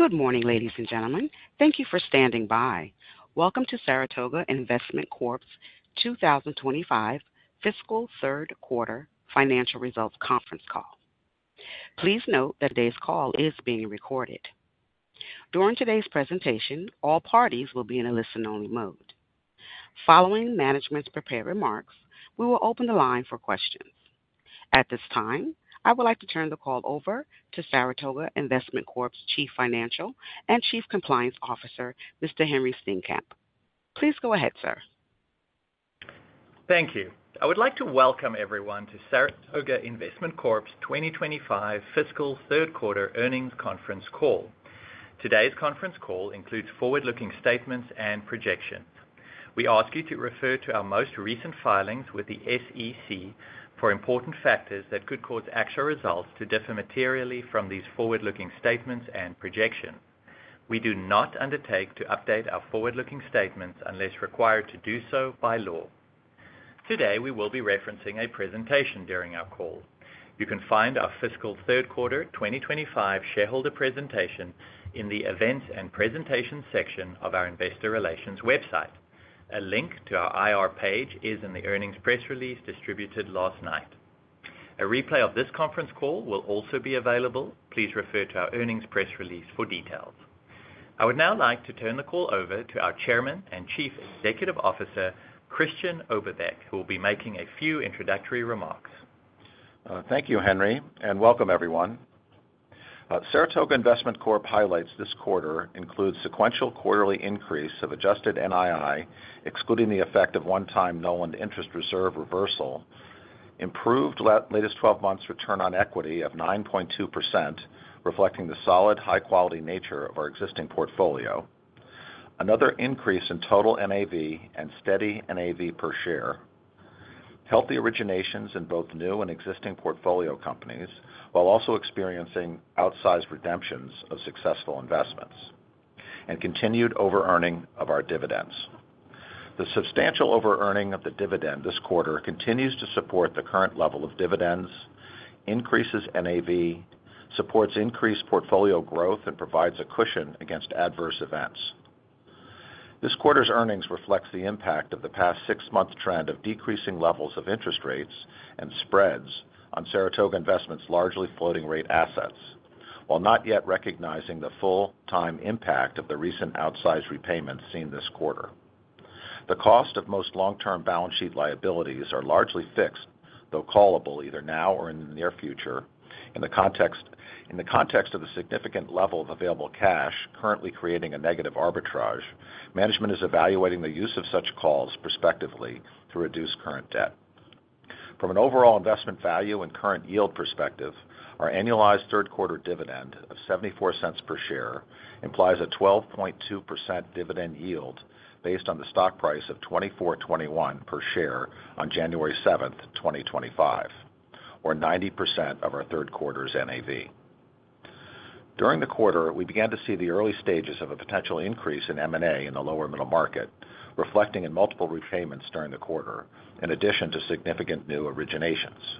Good morning, ladies and gentlemen. Thank you for standing by. Welcome to Saratoga Investment Corp's 2025 Fiscal Third Quarter Financial Results Conference Call. Please note that today's call is being recorded. During today's presentation, all parties will be in a listen-only mode. Following management's prepared remarks, we will open the line for questions. At this time, I would like to turn the call over to Saratoga Investment Corp's Chief Financial and Chief Compliance Officer, Mr. Henri Steenkamp. Please go ahead, sir. Thank you. I would like to welcome everyone to Saratoga Investment Corp's 2025 Fiscal Third Quarter Earnings Conference Call. Today's conference call includes forward-looking statements and projections. We ask you to refer to our most recent filings with the SEC for important factors that could cause actual results to differ materially from these forward-looking statements and projections. We do not undertake to update our forward-looking statements unless required to do so by law. Today, we will be referencing a presentation during our call. You can find our Fiscal Third Quarter 2025 Shareholder Presentation in the Events and Presentations section of our Investor Relations website. A link to our IR page is in the earnings press release distributed last night. A replay of this conference call will also be available. Please refer to our earnings press release for details. I would now like to turn the call over to our Chairman and Chief Executive Officer, Christian Oberbeck, who will be making a few introductory remarks. Thank you, Henri, and welcome, everyone. Saratoga Investment Corp highlights this quarter includes sequential quarterly increase of adjusted NII, excluding the effect of one-time Knowland Interest Reserve reversal, improved latest 12 months return on equity of 9.2%, reflecting the solid, high-quality nature of our existing portfolio, another increase in total NAV and steady NAV per share, healthy originations in both new and existing portfolio companies, while also experiencing outsized redemptions of successful investments, and continued over-earning of our dividends. The substantial over-earning of the dividend this quarter continues to support the current level of dividends, increases NAV, supports increased portfolio growth, and provides a cushion against adverse events. This quarter's earnings reflects the impact of the past six-month trend of decreasing levels of interest rates and spreads on Saratoga Investment's largely floating-rate assets, while not yet recognizing the full-time impact of the recent outsized repayments seen this quarter. The cost of most long-term balance sheet liabilities are largely fixed, though callable either now or in the near future. In the context of the significant level of available cash currently creating a negative arbitrage, management is evaluating the use of such calls prospectively to reduce current debt. From an overall investment value and current yield perspective, our annualized third-quarter dividend of 74 cents per share implies a 12.2% dividend yield based on the stock price of 24.21 per share on January 7, 2025, or 90% of our third quarter's NAV. During the quarter, we began to see the early stages of a potential increase in M&A in the lower middle market, reflecting in multiple repayments during the quarter, in addition to significant new originations.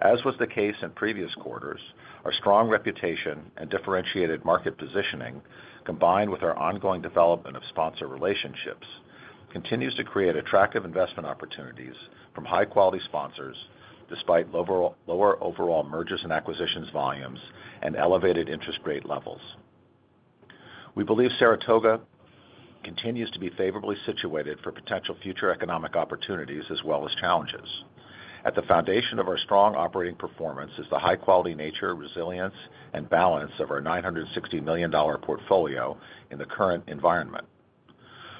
As was the case in previous quarters, our strong reputation and differentiated market positioning, combined with our ongoing development of sponsor relationships, continues to create attractive investment opportunities from high-quality sponsors despite lower overall mergers and acquisitions volumes and elevated interest rate levels. We believe Saratoga continues to be favorably situated for potential future economic opportunities as well as challenges. At the foundation of our strong operating performance is the high-quality nature, resilience, and balance of our $960 million portfolio in the current environment.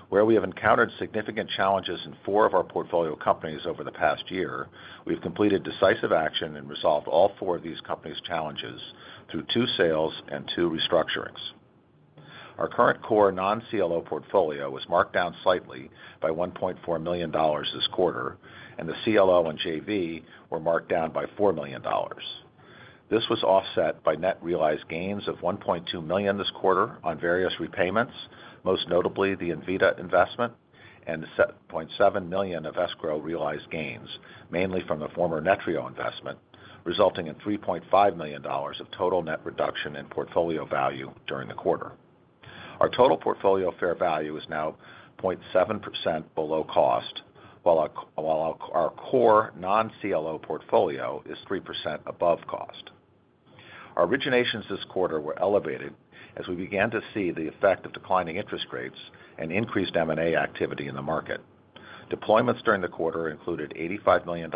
Where we have encountered significant challenges in four of our portfolio companies over the past year, we've completed decisive action and resolved all four of these companies' challenges through two sales and two restructurings. Our current core non-CLO portfolio was marked down slightly by $1.4 million this quarter, and the CLO and JV were marked down by $4 million. This was offset by net realized gains of $1.2 million this quarter on various repayments, most notably the Invita investment and $7.7 million of escrow realized gains, mainly from the former Netrio investment, resulting in $3.5 million of total net reduction in portfolio value during the quarter. Our total portfolio fair value is now 0.7% below cost, while our core non-CLO portfolio is 3% above cost. Our originations this quarter were elevated as we began to see the effect of declining interest rates and increased M&A activity in the market. Deployments during the quarter included $85 million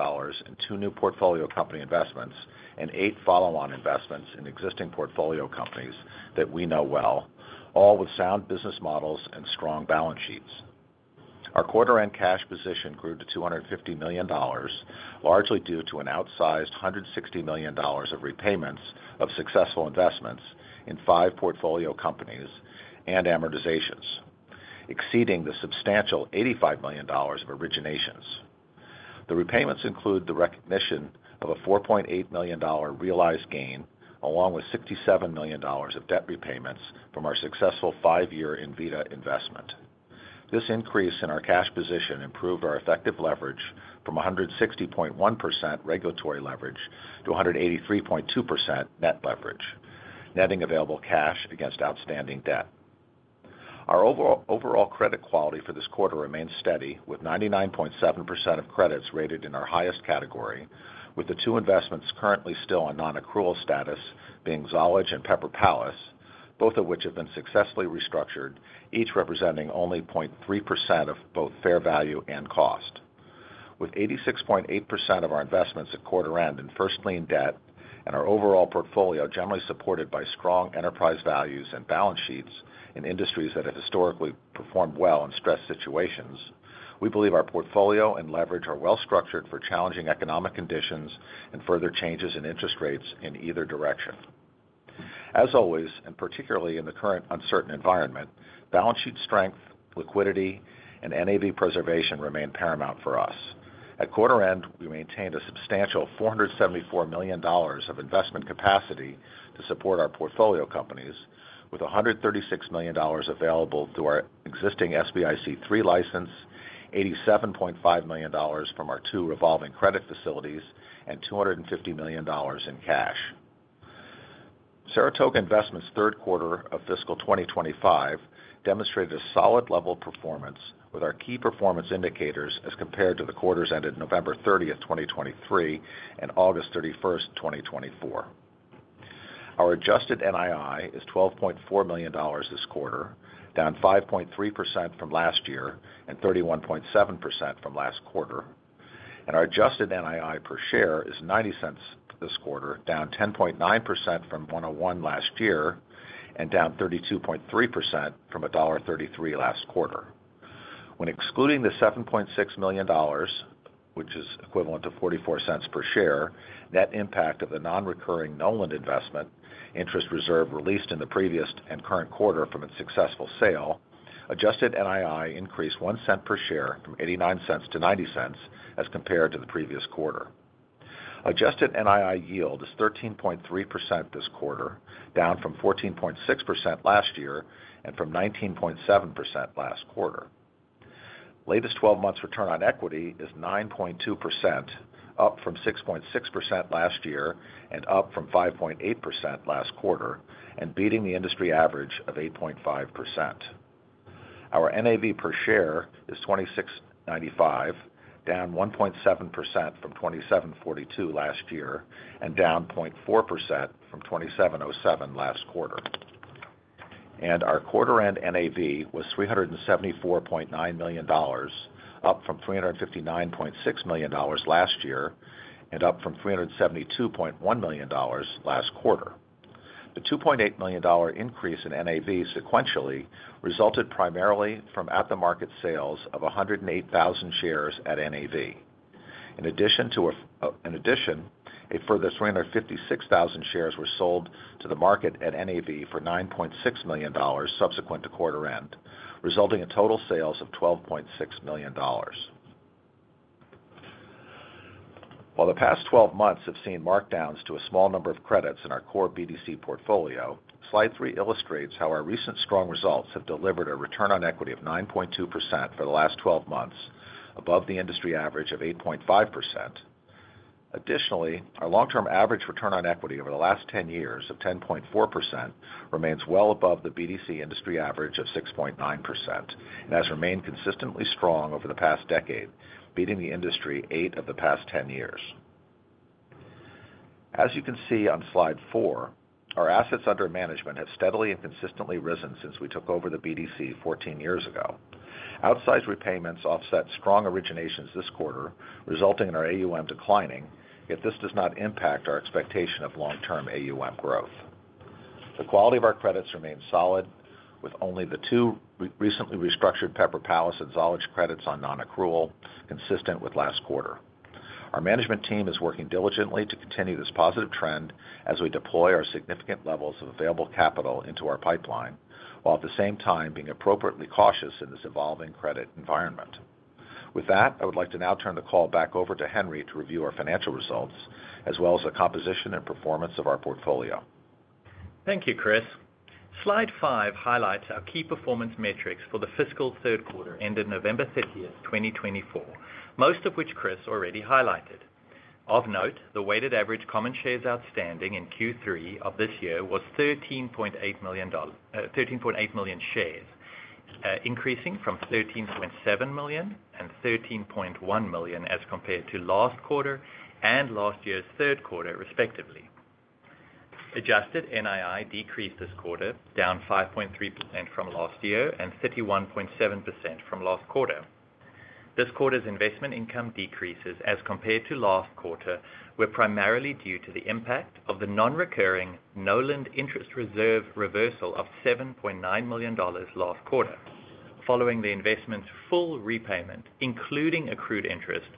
in two new portfolio company investments and eight follow-on investments in existing portfolio companies that we know well, all with sound business models and strong balance sheets. Our quarter-end cash position grew to $250 million, largely due to an outsized $160 million of repayments of successful investments in five portfolio companies and amortizations, exceeding the substantial $85 million of originations. The repayments include the recognition of a $4.8 million realized gain, along with $67 million of debt repayments from our successful five-year Invita investment. This increase in our cash position improved our effective leverage from 160.1% regulatory leverage to 183.2% net leverage, netting available cash against outstanding debt. Our overall credit quality for this quarter remains steady, with 99.7% of credits rated in our highest category, with the two investments currently still on non-accrual status being Zollege and Pepper Palace, both of which have been successfully restructured, each representing only 0.3% of both fair value and cost. With 86.8% of our investments at quarter-end in first lien debt and our overall portfolio generally supported by strong enterprise values and balance sheets in industries that have historically performed well in stress situations, we believe our portfolio and leverage are well-structured for challenging economic conditions and further changes in interest rates in either direction. As always, and particularly in the current uncertain environment, balance sheet strength, liquidity, and NAV preservation remain paramount for us. At quarter-end, we maintained a substantial $474 million of investment capacity to support our portfolio companies, with $136 million available through our existing SBIC III license, $87.5 million from our two revolving credit facilities, and $250 million in cash. Saratoga Investment's third quarter of fiscal 2025 demonstrated a solid level of performance with our key performance indicators as compared to the quarters ended November 30, 2023, and August 31, 2024. Our adjusted NII is $12.4 million this quarter, down 5.3% from last year and 31.7% from last quarter, and our adjusted NII per share is $0.90 this quarter, down 10.9% from $1.01 last year and down 32.3% from $1.33 last quarter. When excluding the $7.6 million, which is equivalent to $0.44 per share, net impact of the non-recurring Knowland investment interest reserve released in the previous and current quarter from its successful sale, adjusted NII increased $0.01 per share from $0.89 to $0.90 as compared to the previous quarter. Adjusted NII yield is 13.3% this quarter, down from 14.6% last year and from 19.7% last quarter. Latest 12 months return on equity is 9.2%, up from 6.6% last year and up from 5.8% last quarter, and beating the industry average of 8.5%. Our NAV per share is 26.95, down 1.7% from 27.42 last year and down 0.4% from 27.07 last quarter. And our quarter-end NAV was $374.9 million, up from $359.6 million last year and up from $372.1 million last quarter. The $2.8 million increase in NAV sequentially resulted primarily from at-the-market sales of 108,000 shares at NAV. In addition, a further 356,000 shares were sold to the market at NAV for $9.6 million subsequent to quarter-end, resulting in total sales of $12.6 million. While the past 12 months have seen markdowns to a small number of credits in our core BDC portfolio, slide three illustrates how our recent strong results have delivered a return on equity of 9.2% for the last 12 months, above the industry average of 8.5%. Additionally, our long-term average return on equity over the last 10 years of 10.4% remains well above the BDC industry average of 6.9% and has remained consistently strong over the past decade, beating the industry eight of the past 10 years. As you can see on slide four, our assets under management have steadily and consistently risen since we took over the BDC 14 years ago. Outsized repayments offset strong originations this quarter, resulting in our AUM declining, yet this does not impact our expectation of long-term AUM growth. The quality of our credits remains solid, with only the two recently restructured Pepper Palace and Zollege credits on non-accrual consistent with last quarter. Our management team is working diligently to continue this positive trend as we deploy our significant levels of available capital into our pipeline, while at the same time being appropriately cautious in this evolving credit environment. With that, I would like to now turn the call back over to Henri to review our financial results as well as the composition and performance of our portfolio. Thank you, Chris. Slide five highlights our key performance metrics for the fiscal third quarter ended November 30, 2024, most of which Chris already highlighted. Of note, the weighted average common shares outstanding in Q3 of this year was 13.8 million shares, increasing from 13.7 million and 13.1 million as compared to last quarter and last year's third quarter, respectively. Adjusted NII decreased this quarter, down 5.3% from last year and 31.7% from last quarter. This quarter's investment income decreases as compared to last quarter were primarily due to the impact of the non-recurring Knowland Interest Reserve reversal of $7.9 million last quarter, following the investment's full repayment, including accrued interest,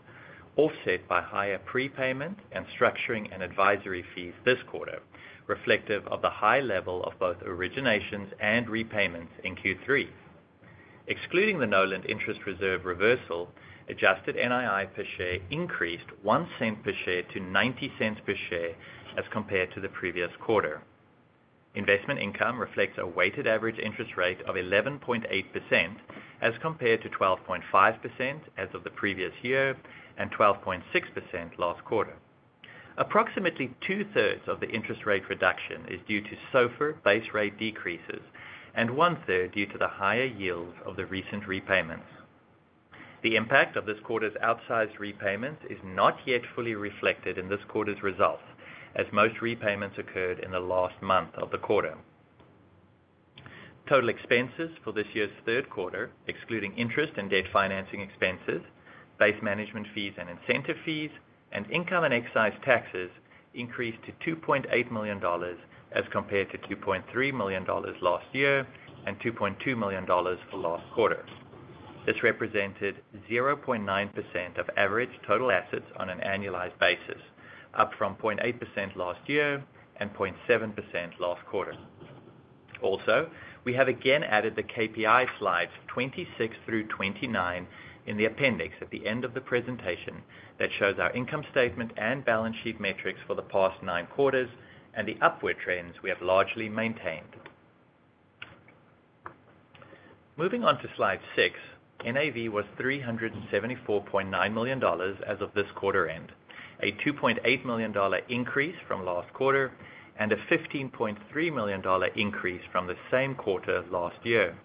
offset by higher prepayment and structuring and advisory fees this quarter, reflective of the high level of both originations and repayments in Q3. Excluding the Knowland interest reserve reversal, Adjusted NII per share increased 1 cent per share to 90 cents per share as compared to the previous quarter. Investment income reflects a weighted average interest rate of 11.8% as compared to 12.5% as of the previous year and 12.6% last quarter. Approximately 2/3 of the interest rate reduction is due to SOFR base rate decreases and 1/3 due to the higher yield of the recent repayments. The impact of this quarter's outsized repayments is not yet fully reflected in this quarter's results, as most repayments occurred in the last month of the quarter. Total expenses for this year's third quarter, excluding interest and debt financing expenses, base management fees and incentive fees, and income and excise taxes increased to $2.8 million as compared to $2.3 million last year and $2.2 million for last quarter. This represented 0.9% of average total assets on an annualized basis, up from 0.8% last year and 0.7% last quarter. Also, we have again added the KPI slides 26 through 29 in the appendix at the end of the presentation that shows our income statement and balance sheet metrics for the past nine quarters and the upward trends we have largely maintained. Moving on to slide six, NAV was $374.9 million as of this quarter-end, a $2.8 million increase from last quarter and a $15.3 million increase from the same quarter last year.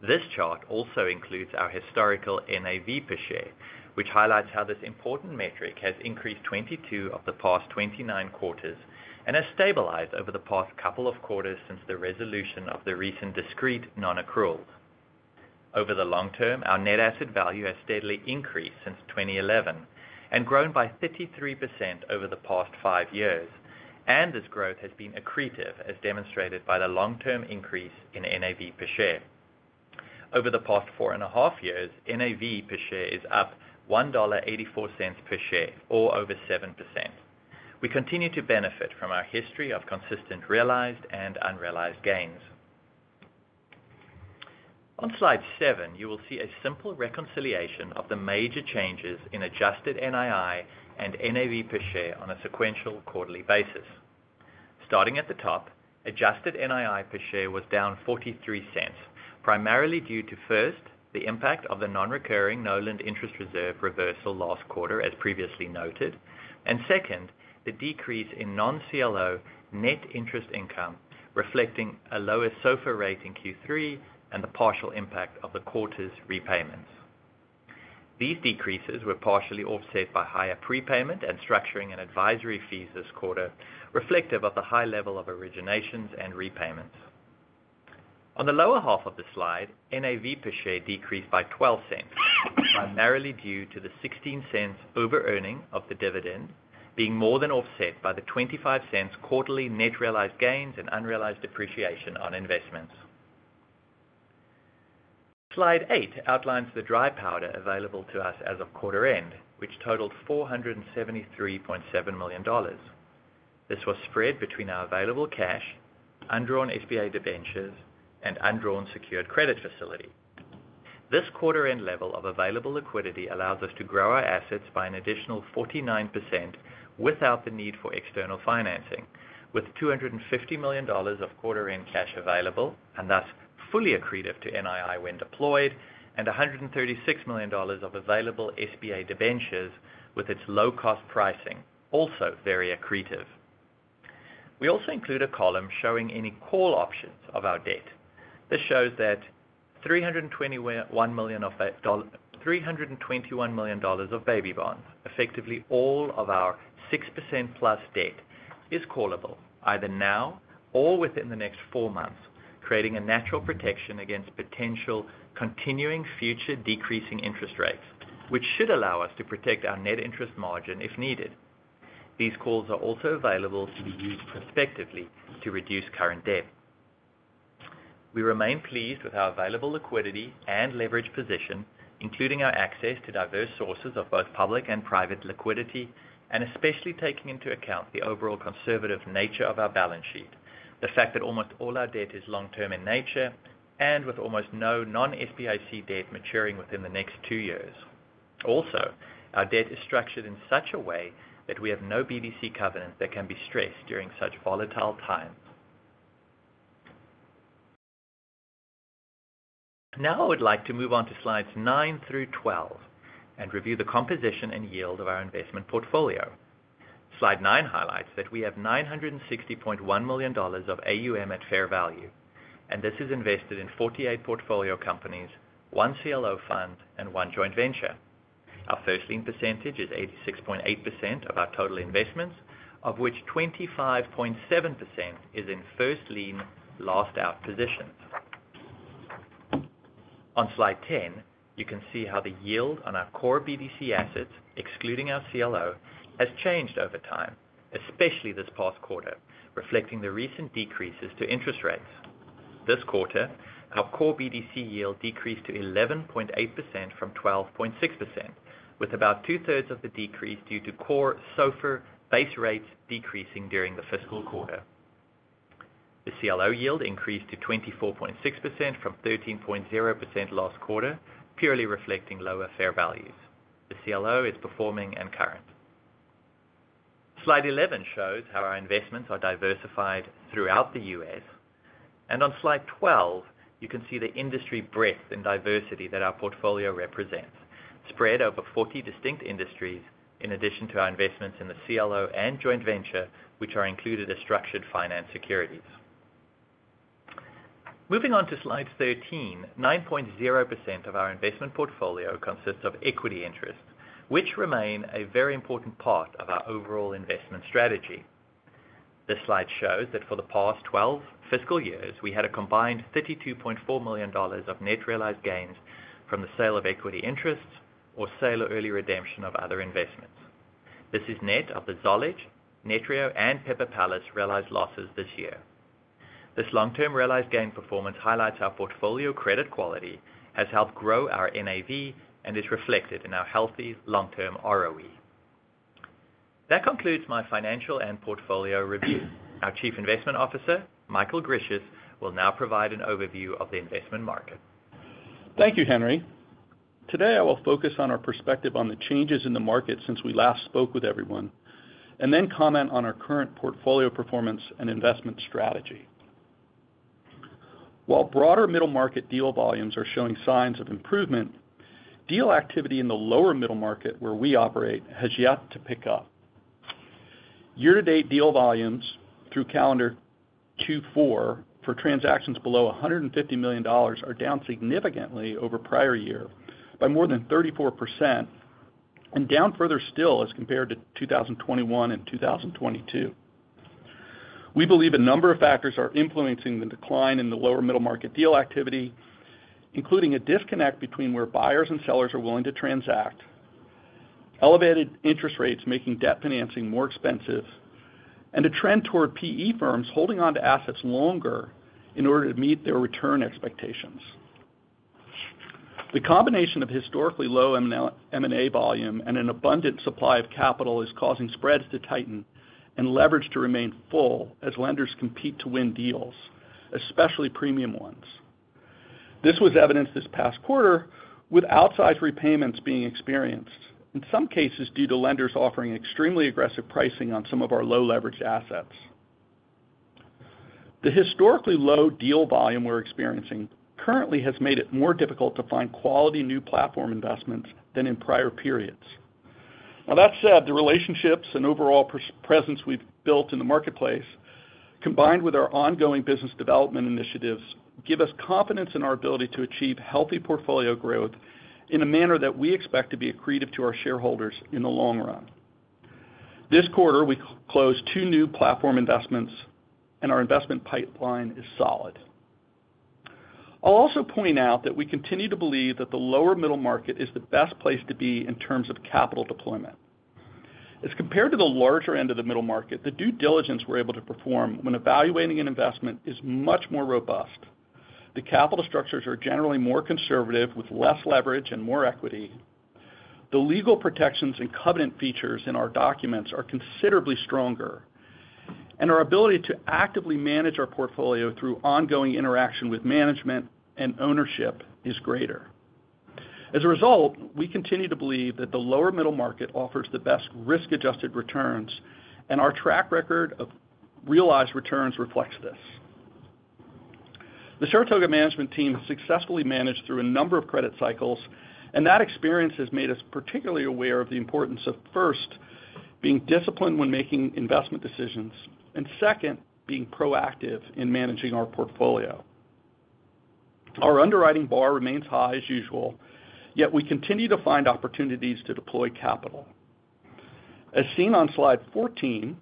This chart also includes our historical NAV per share, which highlights how this important metric has increased 22 of the past 29 quarters and has stabilized over the past couple of quarters since the resolution of the recent discrete non-accrual. Over the long term, our net asset value has steadily increased since 2011 and grown by 33% over the past five years, and this growth has been accretive as demonstrated by the long-term increase in NAV per share. Over the past four and a half years, NAV per share is up $1.84 per share, or over 7%. We continue to benefit from our history of consistent realized and unrealized gains. On slide seven, you will see a simple reconciliation of the major changes in adjusted NII and NAV per share on a sequential quarterly basis. Starting at the top, adjusted NII per share was down $0.43, primarily due to, first, the impact of the non-recurring Knowland Interest Reserve reversal last quarter, as previously noted, and second, the decrease in non-CLO net interest income reflecting a lower SOFR rate in Q3 and the partial impact of the quarter's repayments. These decreases were partially offset by higher prepayment and structuring and advisory fees this quarter, reflective of the high level of originations and repayments. On the lower half of the slide, NAV per share decreased by $0.12, primarily due to the $0.16 over-earning of the dividend being more than offset by the $0.25 quarterly net realized gains and unrealized depreciation on investments. Slide eight outlines the dry powder available to us as of quarter-end, which totaled $473.7 million. This was spread between our available cash, undrawn SBA debentures, and undrawn secured credit facility. This quarter-end level of available liquidity allows us to grow our assets by an additional 49% without the need for external financing, with $250 million of quarter-end cash available and thus fully accretive to NII when deployed, and $136 million of available SBA debentures with its low-cost pricing, also very accretive. We also include a column showing any call options of our debt. This shows that $321 million of baby bonds, effectively all of our 6% plus debt, is callable either now or within the next four months, creating a natural protection against potential continuing future decreasing interest rates, which should allow us to protect our net interest margin if needed. These calls are also available to be used prospectively to reduce current debt. We remain pleased with our available liquidity and leverage position, including our access to diverse sources of both public and private liquidity, and especially taking into account the overall conservative nature of our balance sheet, the fact that almost all our debt is long-term in nature and with almost no non-SBIC debt maturing within the next two years. Also, our debt is structured in such a way that we have no BDC covenant that can be stressed during such volatile times. Now I would like to move on to slides nine through twelve and review the composition and yield of our investment portfolio. Slide nine highlights that we have $960.1 million of AUM at fair value, and this is invested in 48 portfolio companies, one CLO fund, and one joint venture. Our first-lien percentage is 86.8% of our total investments, of which 25.7% is in first-lien last-out positions. On slide ten, you can see how the yield on our core BDC assets, excluding our CLO, has changed over time, especially this past quarter, reflecting the recent decreases to interest rates. This quarter, our core BDC yield decreased to 11.8% from 12.6%, with about 2/3 of the decrease due to core SOFR base rates decreasing during the fiscal quarter. The CLO yield increased to 24.6% from 13.0% last quarter, purely reflecting lower fair values. The CLO is performing and current. Slide 11 shows how our investments are diversified throughout the U.S., and on slide 12, you can see the industry breadth and diversity that our portfolio represents, spread over 40 distinct industries, in addition to our investments in the CLO and joint venture, which are included as structured finance securities. Moving on to slide 13, 9.0% of our investment portfolio consists of equity interests, which remain a very important part of our overall investment strategy. This slide shows that for the past 12 fiscal years, we had a combined $32.4 million of net realized gains from the sale of equity interests or sale or early redemption of other investments. This is net of the Zollege, Netrio, and Pepper Palace realized losses this year. This long-term realized gain performance highlights our portfolio credit quality has helped grow our NAV and is reflected in our healthy long-term ROE. That concludes my financial and portfolio review. Our Chief Investment Officer, Michael Grisius, will now provide an overview of the investment market. Thank you, Henri. Today, I will focus on our perspective on the changes in the market since we last spoke with everyone, and then comment on our current portfolio performance and investment strategy. While broader middle market deal volumes are showing signs of improvement, deal activity in the lower middle market where we operate has yet to pick up. Year-to-date deal volumes through calendar Q4 for transactions below $150 million are down significantly over prior year by more than 34% and down further still as compared to 2021 and 2022. We believe a number of factors are influencing the decline in the lower middle market deal activity, including a disconnect between where buyers and sellers are willing to transact, elevated interest rates making debt financing more expensive, and a trend toward PE firms holding on to assets longer in order to meet their return expectations. The combination of historically low M&A volume and an abundant supply of capital is causing spreads to tighten and leverage to remain full as lenders compete to win deals, especially premium ones. This was evidenced this past quarter with outsized repayments being experienced, in some cases due to lenders offering extremely aggressive pricing on some of our low-leveraged assets. The historically low deal volume we're experiencing currently has made it more difficult to find quality new platform investments than in prior periods. Now, that said, the relationships and overall presence we've built in the marketplace, combined with our ongoing business development initiatives, give us confidence in our ability to achieve healthy portfolio growth in a manner that we expect to be accretive to our shareholders in the long run. This quarter, we closed two new platform investments, and our investment pipeline is solid. I'll also point out that we continue to believe that the lower middle market is the best place to be in terms of capital deployment. As compared to the larger end of the middle market, the due diligence we're able to perform when evaluating an investment is much more robust. The capital structures are generally more conservative with less leverage and more equity. The legal protections and covenant features in our documents are considerably stronger, and our ability to actively manage our portfolio through ongoing interaction with management and ownership is greater. As a result, we continue to believe that the lower middle market offers the best risk-adjusted returns, and our track record of realized returns reflects this. The Saratoga Management Team has successfully managed through a number of credit cycles, and that experience has made us particularly aware of the importance of, first, being disciplined when making investment decisions, and second, being proactive in managing our portfolio. Our underwriting bar remains high as usual, yet we continue to find opportunities to deploy capital. As seen on slide fourteen,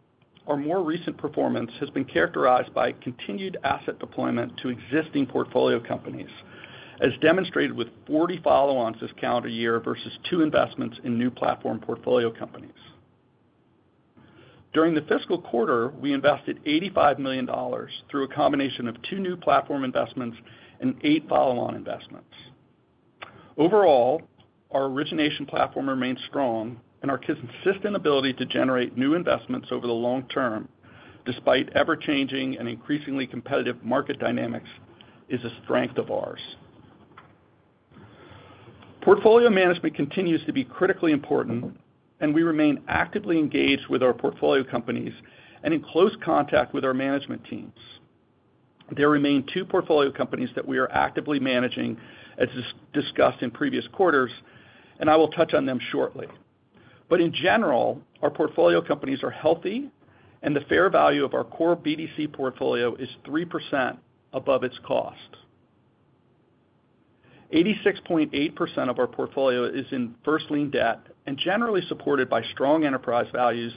our more recent performance has been characterized by continued asset deployment to existing portfolio companies, as demonstrated with 40 follow-ons this calendar year versus two investments in new platform portfolio companies. During the fiscal quarter, we invested $85 million through a combination of two new platform investments and eight follow-on investments. Overall, our origination platform remains strong, and our consistent ability to generate new investments over the long term, despite ever-changing and increasingly competitive market dynamics, is a strength of ours. Portfolio management continues to be critically important, and we remain actively engaged with our portfolio companies and in close contact with our management teams. There remain two portfolio companies that we are actively managing, as discussed in previous quarters, and I will touch on them shortly, but in general, our portfolio companies are healthy, and the fair value of our core BDC portfolio is 3% above its cost. 86.8% of our portfolio is in first-lien debt and generally supported by strong enterprise values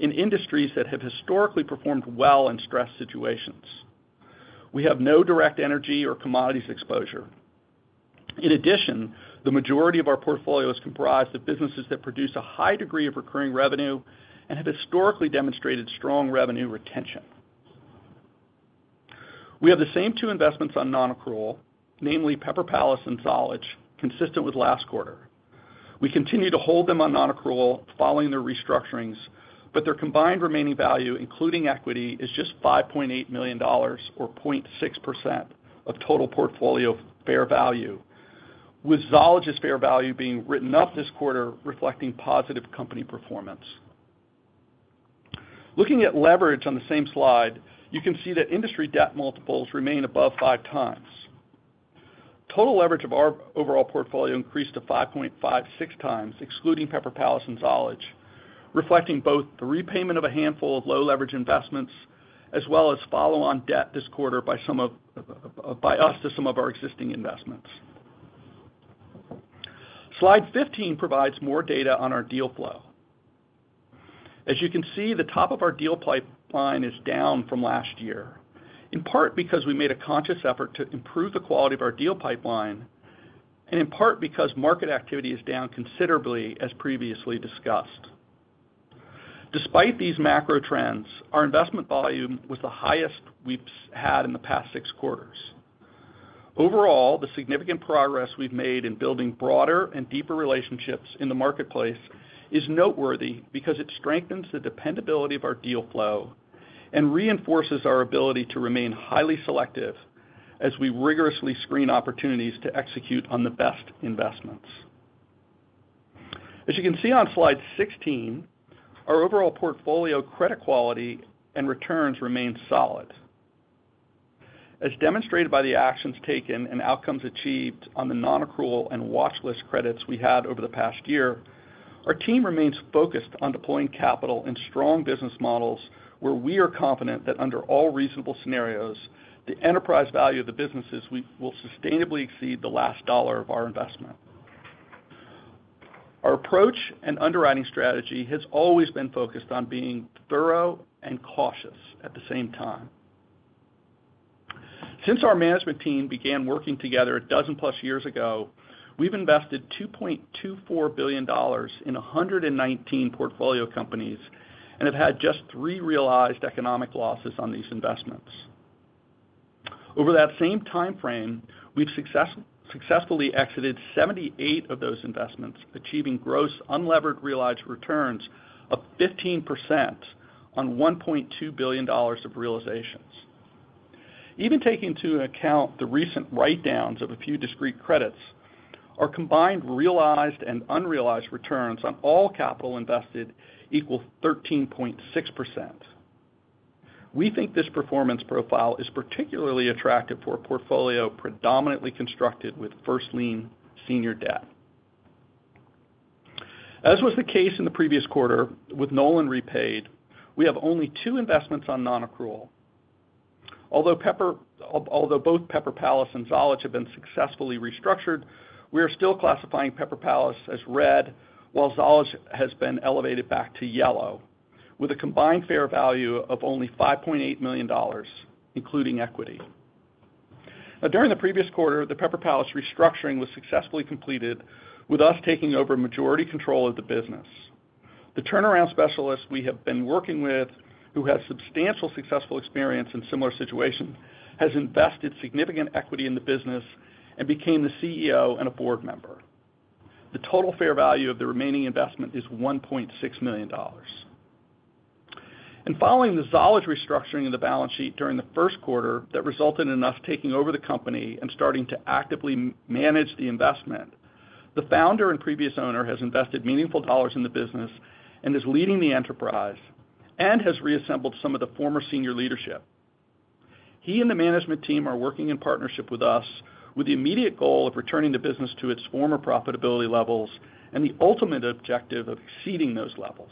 in industries that have historically performed well in stress situations. We have no direct energy or commodities exposure. In addition, the majority of our portfolio is comprised of businesses that produce a high degree of recurring revenue and have historically demonstrated strong revenue retention. We have the same two investments on non-accrual, namely Pepper Palace and Zollege, consistent with last quarter. We continue to hold them on non-accrual following their restructurings, but their combined remaining value, including equity, is just $5.8 million, or 0.6% of total portfolio fair value, with Zollege's fair value being written up this quarter, reflecting positive company performance. Looking at leverage on the same slide, you can see that industry debt multiples remain above five times. Total leverage of our overall portfolio increased to 5.56 times, excluding Pepper Palace and Zollege, reflecting both the repayment of a handful of low-leverage investments as well as follow-on debt this quarter by us to some of our existing investments. Slide 15 provides more data on our deal flow. As you can see, the top of our deal pipeline is down from last year, in part because we made a conscious effort to improve the quality of our deal pipeline and in part because market activity is down considerably, as previously discussed. Despite these macro trends, our investment volume was the highest we've had in the past six quarters. Overall, the significant progress we've made in building broader and deeper relationships in the marketplace is noteworthy because it strengthens the dependability of our deal flow and reinforces our ability to remain highly selective as we rigorously screen opportunities to execute on the best investments. As you can see on slide 16, our overall portfolio credit quality and returns remain solid. As demonstrated by the actions taken and outcomes achieved on the non-accrual and watchlist credits we had over the past year, our team remains focused on deploying capital in strong business models where we are confident that under all reasonable scenarios, the enterprise value of the businesses will sustainably exceed the last dollar of our investment. Our approach and underwriting strategy has always been focused on being thorough and cautious at the same time. Since our management team began working together a dozen-plus years ago, we've invested $2.24 billion in 119 portfolio companies and have had just three realized economic losses on these investments. Over that same timeframe, we've successfully exited 78 of those investments, achieving gross unleveraged realized returns of 15% on $1.2 billion of realizations. Even taking into account the recent write-downs of a few discrete credits, our combined realized and unrealized returns on all capital invested equal 13.6%. We think this performance profile is particularly attractive for a portfolio predominantly constructed with first-lien senior debt. As was the case in the previous quarter with Knowland repaid, we have only two investments on non-accrual. Although both Pepper Palace and Zollege have been successfully restructured, we are still classifying Pepper Palace as red, while Zollege has been elevated back to yellow, with a combined fair value of only $5.8 million, including equity. Now, during the previous quarter, the Pepper Palace restructuring was successfully completed, with us taking over majority control of the business. The turnaround specialist we have been working with, who has substantial successful experience in similar situations, has invested significant equity in the business and became the CEO and a board member. The total fair value of the remaining investment is $1.6 million, and following the Zollege restructuring of the balance sheet during the first quarter that resulted in us taking over the company and starting to actively manage the investment, the founder and previous owner has invested meaningful dollars in the business and is leading the enterprise and has reassembled some of the former senior leadership. He and the management team are working in partnership with us with the immediate goal of returning the business to its former profitability levels and the ultimate objective of exceeding those levels.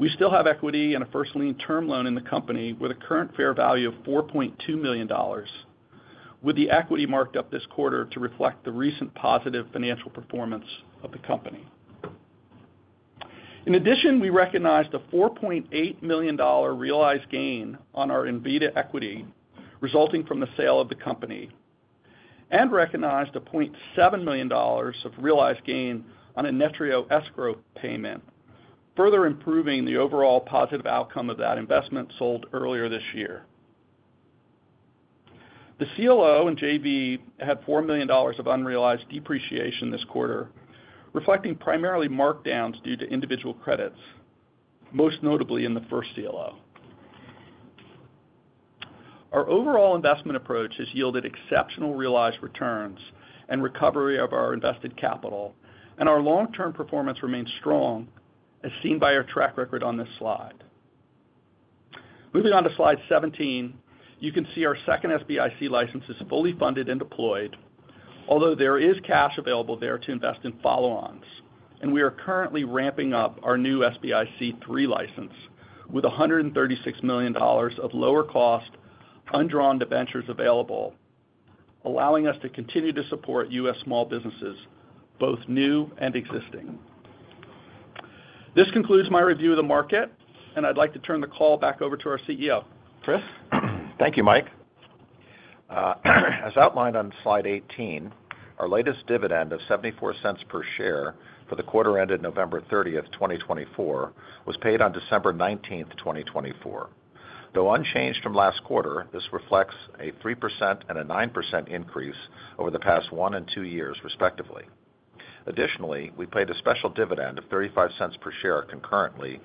We still have equity and a first-lien term loan in the company with a current fair value of $4.2 million, with the equity marked up this quarter to reflect the recent positive financial performance of the company. In addition, we recognized a $4.8 million realized gain on our Invita equity resulting from the sale of the company and recognized a $0.7 million of realized gain on a Netrio escrow payment, further improving the overall positive outcome of that investment sold earlier this year. The CLO and JV had $4 million of unrealized depreciation this quarter, reflecting primarily markdowns due to individual credits, most notably in the first CLO. Our overall investment approach has yielded exceptional realized returns and recovery of our invested capital, and our long-term performance remains strong, as seen by our track record on this slide. Moving on to slide seventeen, you can see our second SBIC license is fully funded and deployed, although there is cash available there to invest in follow-ons, and we are currently ramping up our new SBIC III license with $136 million of lower-cost undrawn commitments available, allowing us to continue to support U.S. small businesses, both new and existing. This concludes my review of the market, and I'd like to turn the call back over to our CEO, Chris. Thank you, Mike. As outlined on slide 18, our latest dividend of $0.74 per share for the quarter ended November 30, 2024, was paid on December 19, 2024. Though unchanged from last quarter, this reflects a 3% and a 9% increase over the past one and two years, respectively. Additionally, we paid a special dividend of $0.35 per share concurrently,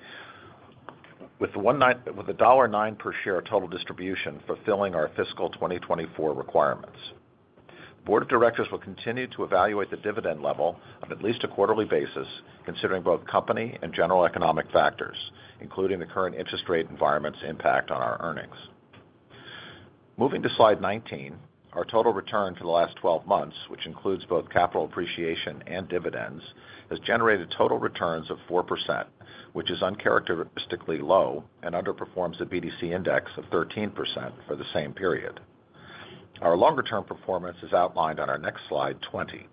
with $1.09 per share total distribution fulfilling our fiscal 2024 requirements. The board of directors will continue to evaluate the dividend level on at least a quarterly basis, considering both company and general economic factors, including the current interest rate environment's impact on our earnings. Moving to slide 19, our total return for the last 12 months, which includes both capital appreciation and dividends, has generated total returns of 4%, which is uncharacteristically low and underperforms the BDC Index of 13% for the same period. Our longer-term performance is outlined on our next slide 20.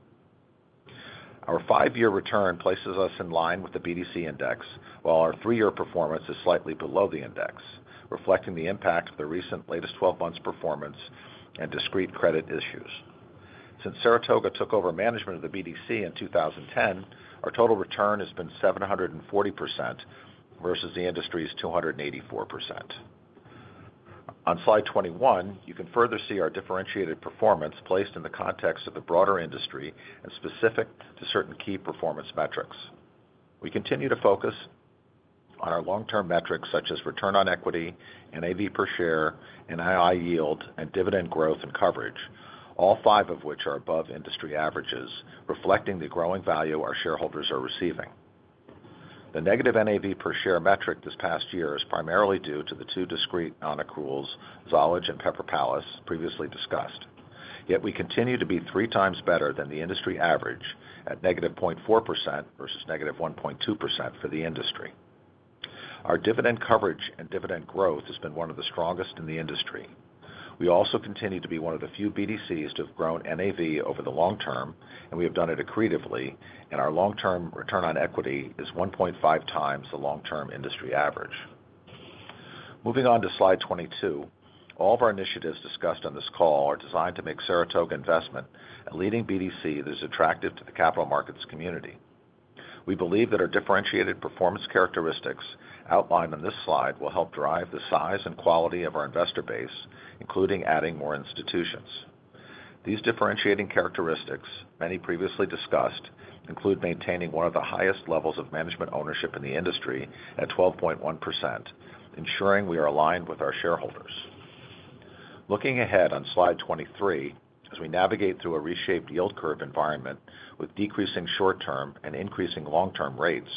Our five-year return places us in line with the BDC Index, while our three-year performance is slightly below the index, reflecting the impact of the recent latest twelve months' performance and discrete credit issues. Since Saratoga took over management of the BDC in 2010, our total return has been 740% versus the industry's 284%. On slide 21, you can further see our differentiated performance placed in the context of the broader industry and specific to certain key performance metrics. We continue to focus on our long-term metrics such as return on equity, NAV per share, NII yield, and dividend growth and coverage, all five of which are above industry averages, reflecting the growing value our shareholders are receiving. The negative NAV per share metric this past year is primarily due to the two discrete non-accruals, Zollege and Pepper Palace, previously discussed, yet we continue to be three times better than the industry average at negative 0.4% versus negative 1.2% for the industry. Our dividend coverage and dividend growth has been one of the strongest in the industry. We also continue to be one of the few BDCs to have grown NAV over the long term, and we have done it accretively, and our long-term return on equity is 1.5× the long-term industry average. Moving on to slide twenty-two, all of our initiatives discussed on this call are designed to make Saratoga Investment a leading BDC that is attractive to the capital markets community. We believe that our differentiated performance characteristics outlined on this slide will help drive the size and quality of our investor base, including adding more institutions. These differentiating characteristics, many previously discussed, include maintaining one of the highest levels of management ownership in the industry at 12.1%, ensuring we are aligned with our shareholders. Looking ahead on slide 23, as we navigate through a reshaped yield curve environment with decreasing short-term and increasing long-term rates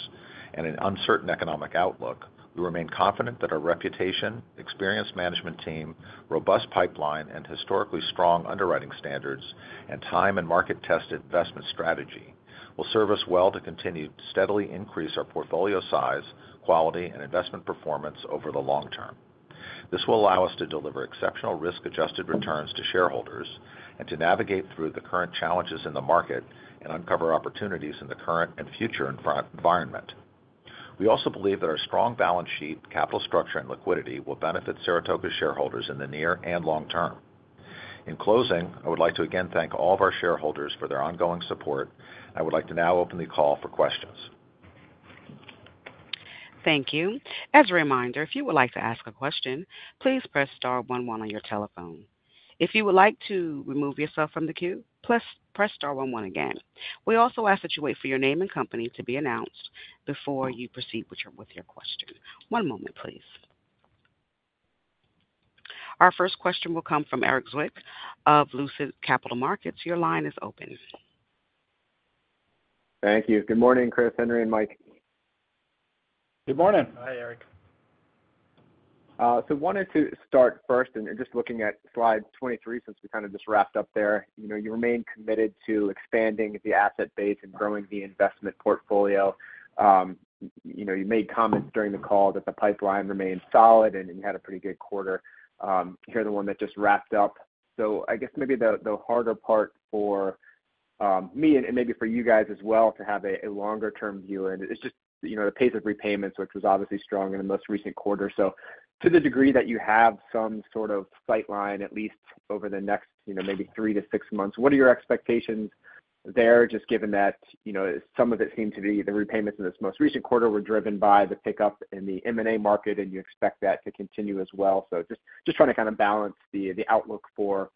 and an uncertain economic outlook, we remain confident that our reputation, experienced management team, robust pipeline, and historically strong underwriting standards, and time and market-tested investment strategy will serve us well to continue to steadily increase our portfolio size, quality, and investment performance over the long term. This will allow us to deliver exceptional risk-adjusted returns to shareholders and to navigate through the current challenges in the market and uncover opportunities in the current and future environment. We also believe that our strong balance sheet, capital structure, and liquidity will benefit Saratoga's shareholders in the near and long term. In closing, I would like to again thank all of our shareholders for their ongoing support, and I would like to now open the call for questions. Thank you. As a reminder, if you would like to ask a question, please press star one one on your telephone. If you would like to remove yourself from the queue, press star one one again. We also ask that you wait for your name and company to be announced before you proceed with your question. One moment, please. Our first question will come from Erik Zwick of Lucid Capital Markets. Your line is open. Thank you. Good morning, Chris, Henri, and Mike. Good morning. Hi, Erik. So I wanted to start first, and just looking at slide 23, since we kind of just wrapped up there, you remain committed to expanding the asset base and growing the investment portfolio. You made comments during the call that the pipeline remained solid, and you had a pretty good quarter. You're the one that just wrapped up. So I guess maybe the harder part for me, and maybe for you guys as well, to have a longer-term view, and it's just the pace of repayments, which was obviously strong in the most recent quarter. So to the degree that you have some sort of sightline, at least over the next maybe three to six months, what are your expectations there, just given that some of it seemed to be the repayments in this most recent quarter were driven by the pickup in the M&A market, and you expect that to continue as well? So just trying to kind of balance the outlook for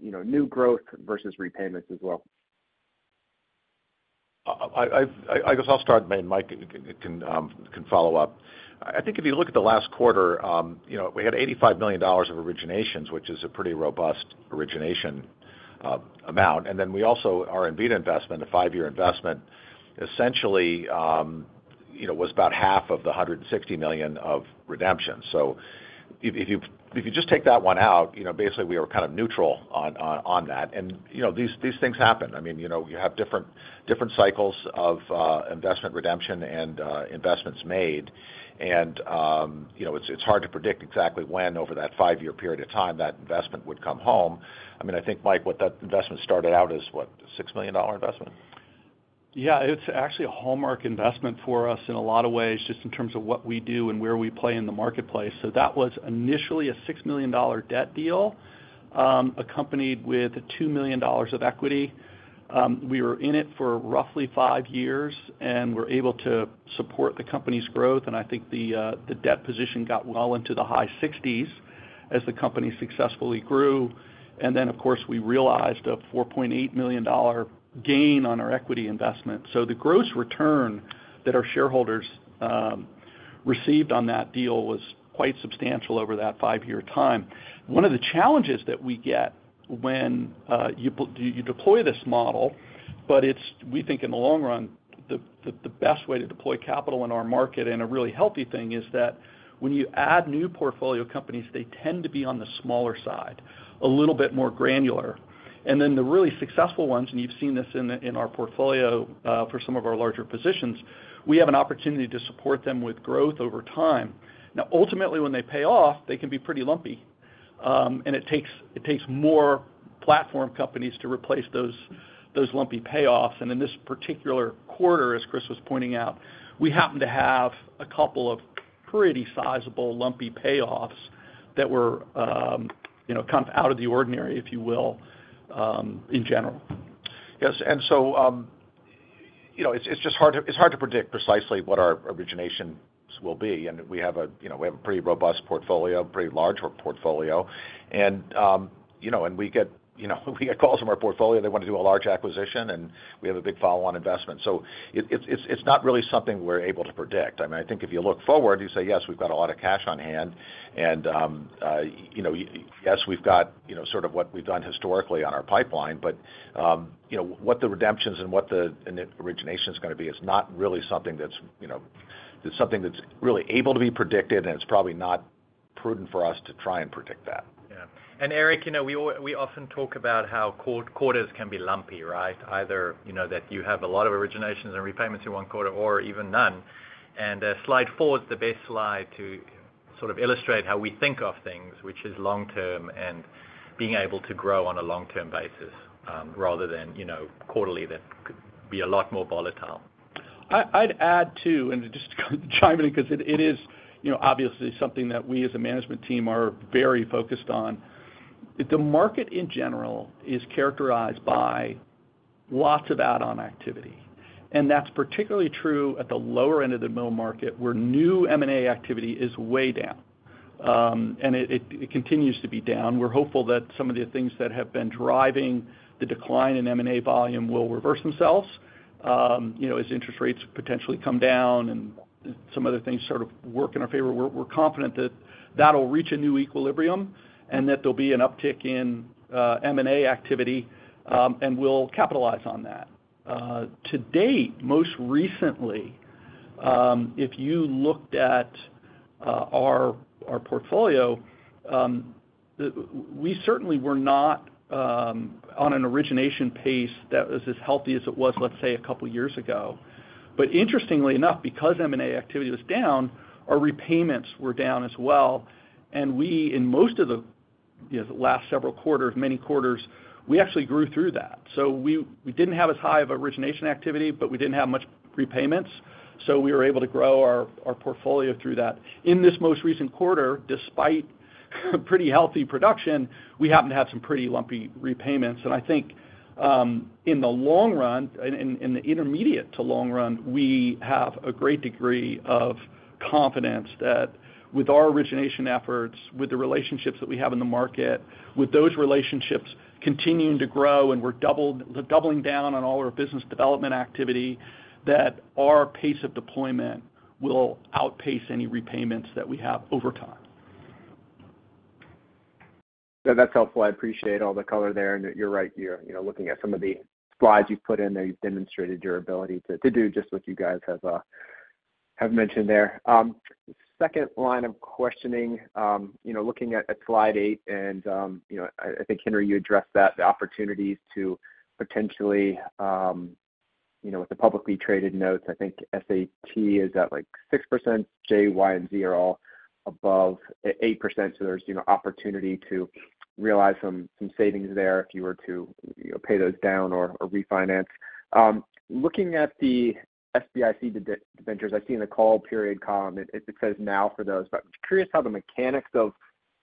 new growth versus repayments as well. I guess I'll start, and Mike, if you can follow up. I think if you look at the last quarter, we had $85 million of originations, which is a pretty robust origination amount. And then we also had our Invita investment, a five-year investment, essentially was about half of the $160 million of redemption. So if you just take that one out, basically we were kind of neutral on that. And these things happen. I mean, you have different cycles of investment redemption and investments made, and it's hard to predict exactly when over that five-year period of time that investment would come home. I mean, I think, Mike, what that investment started out as, what, a $6 million investment? Yeah, it's actually a hallmark investment for us in a lot of ways, just in terms of what we do and where we play in the marketplace. So that was initially a $6 million debt deal accompanied with $2 million of equity. We were in it for roughly five years and were able to support the company's growth, and I think the debt position got well into the high sixties as the company successfully grew. And then, of course, we realized a $4.8 million gain on our equity investment. So the gross return that our shareholders received on that deal was quite substantial over that five-year time. One of the challenges that we get when you deploy this model, but we think in the long run, the best way to deploy capital in our market, and a really healthy thing, is that when you add new portfolio companies, they tend to be on the smaller side, a little bit more granular. And then the really successful ones, and you've seen this in our portfolio for some of our larger positions, we have an opportunity to support them with growth over time. Now, ultimately, when they pay off, they can be pretty lumpy, and it takes more platform companies to replace those lumpy payoffs. And in this particular quarter, as Chris was pointing out, we happen to have a couple of pretty sizable lumpy payoffs that were kind of out of the ordinary, if you will, in general. Yes. And so it's just hard to predict precisely what our originations will be, and we have a pretty robust portfolio, a pretty large portfolio, and we get calls from our portfolio, they want to do a large acquisition, and we have a big follow-on investment. So it's not really something we're able to predict. I mean, I think if you look forward, you say, yes, we've got a lot of cash on hand, and, yes, we've got sort of what we've done historically on our pipeline, but what the redemptions and what the origination is going to be is not really something that's really able to be predicted, and it's probably not prudent for us to try and predict that. Yeah. And Erik, we often talk about how quarters can be lumpy, right? Either that you have a lot of originations and repayments in one quarter or even none. And slide four is the best slide to sort of illustrate how we think of things, which is long-term and being able to grow on a long-term basis rather than quarterly that could be a lot more volatile. I'd add too, and just chime in because it is obviously something that we as a management team are very focused on. The market in general is characterized by lots of add-on activity, and that's particularly true at the lower end of the middle market where new M&A activity is way down, and it continues to be down. We're hopeful that some of the things that have been driving the decline in M&A volume will reverse themselves as interest rates potentially come down and some other things sort of work in our favor. We're confident that that'll reach a new equilibrium and that there'll be an uptick in M&A activity, and we'll capitalize on that. To date, most recently, if you looked at our portfolio, we certainly were not on an origination pace that was as healthy as it was, let's say, a couple of years ago. Interestingly enough, because M&A activity was down, our repayments were down as well, and we, in most of the last several quarters, many quarters, we actually grew through that. We didn't have as high of origination activity, but we didn't have much repayments, so we were able to grow our portfolio through that. In this most recent quarter, despite pretty healthy production, we happen to have some pretty lumpy repayments. I think in the long run, in the intermediate to long run, we have a great degree of confidence that with our origination efforts, with the relationships that we have in the market, with those relationships continuing to grow, and we're doubling down on all our business development activity, that our pace of deployment will outpace any repayments that we have over time. That's helpful. I appreciate all the color there, and you're right. Looking at some of the slides you've put in there, you've demonstrated your ability to do just what you guys have mentioned there. Second line of questioning, looking at slide eight, and I think, Henri, you addressed that, the opportunities to potentially, with the publicly traded notes, I think SAT is at like 6%, J, Y, and Z are all above 8%, so there's opportunity to realize some savings there if you were to pay those down or refinance. Looking at the SBIC, the debentures, I see in the call period column, it says now for those, but I'm curious how the mechanics of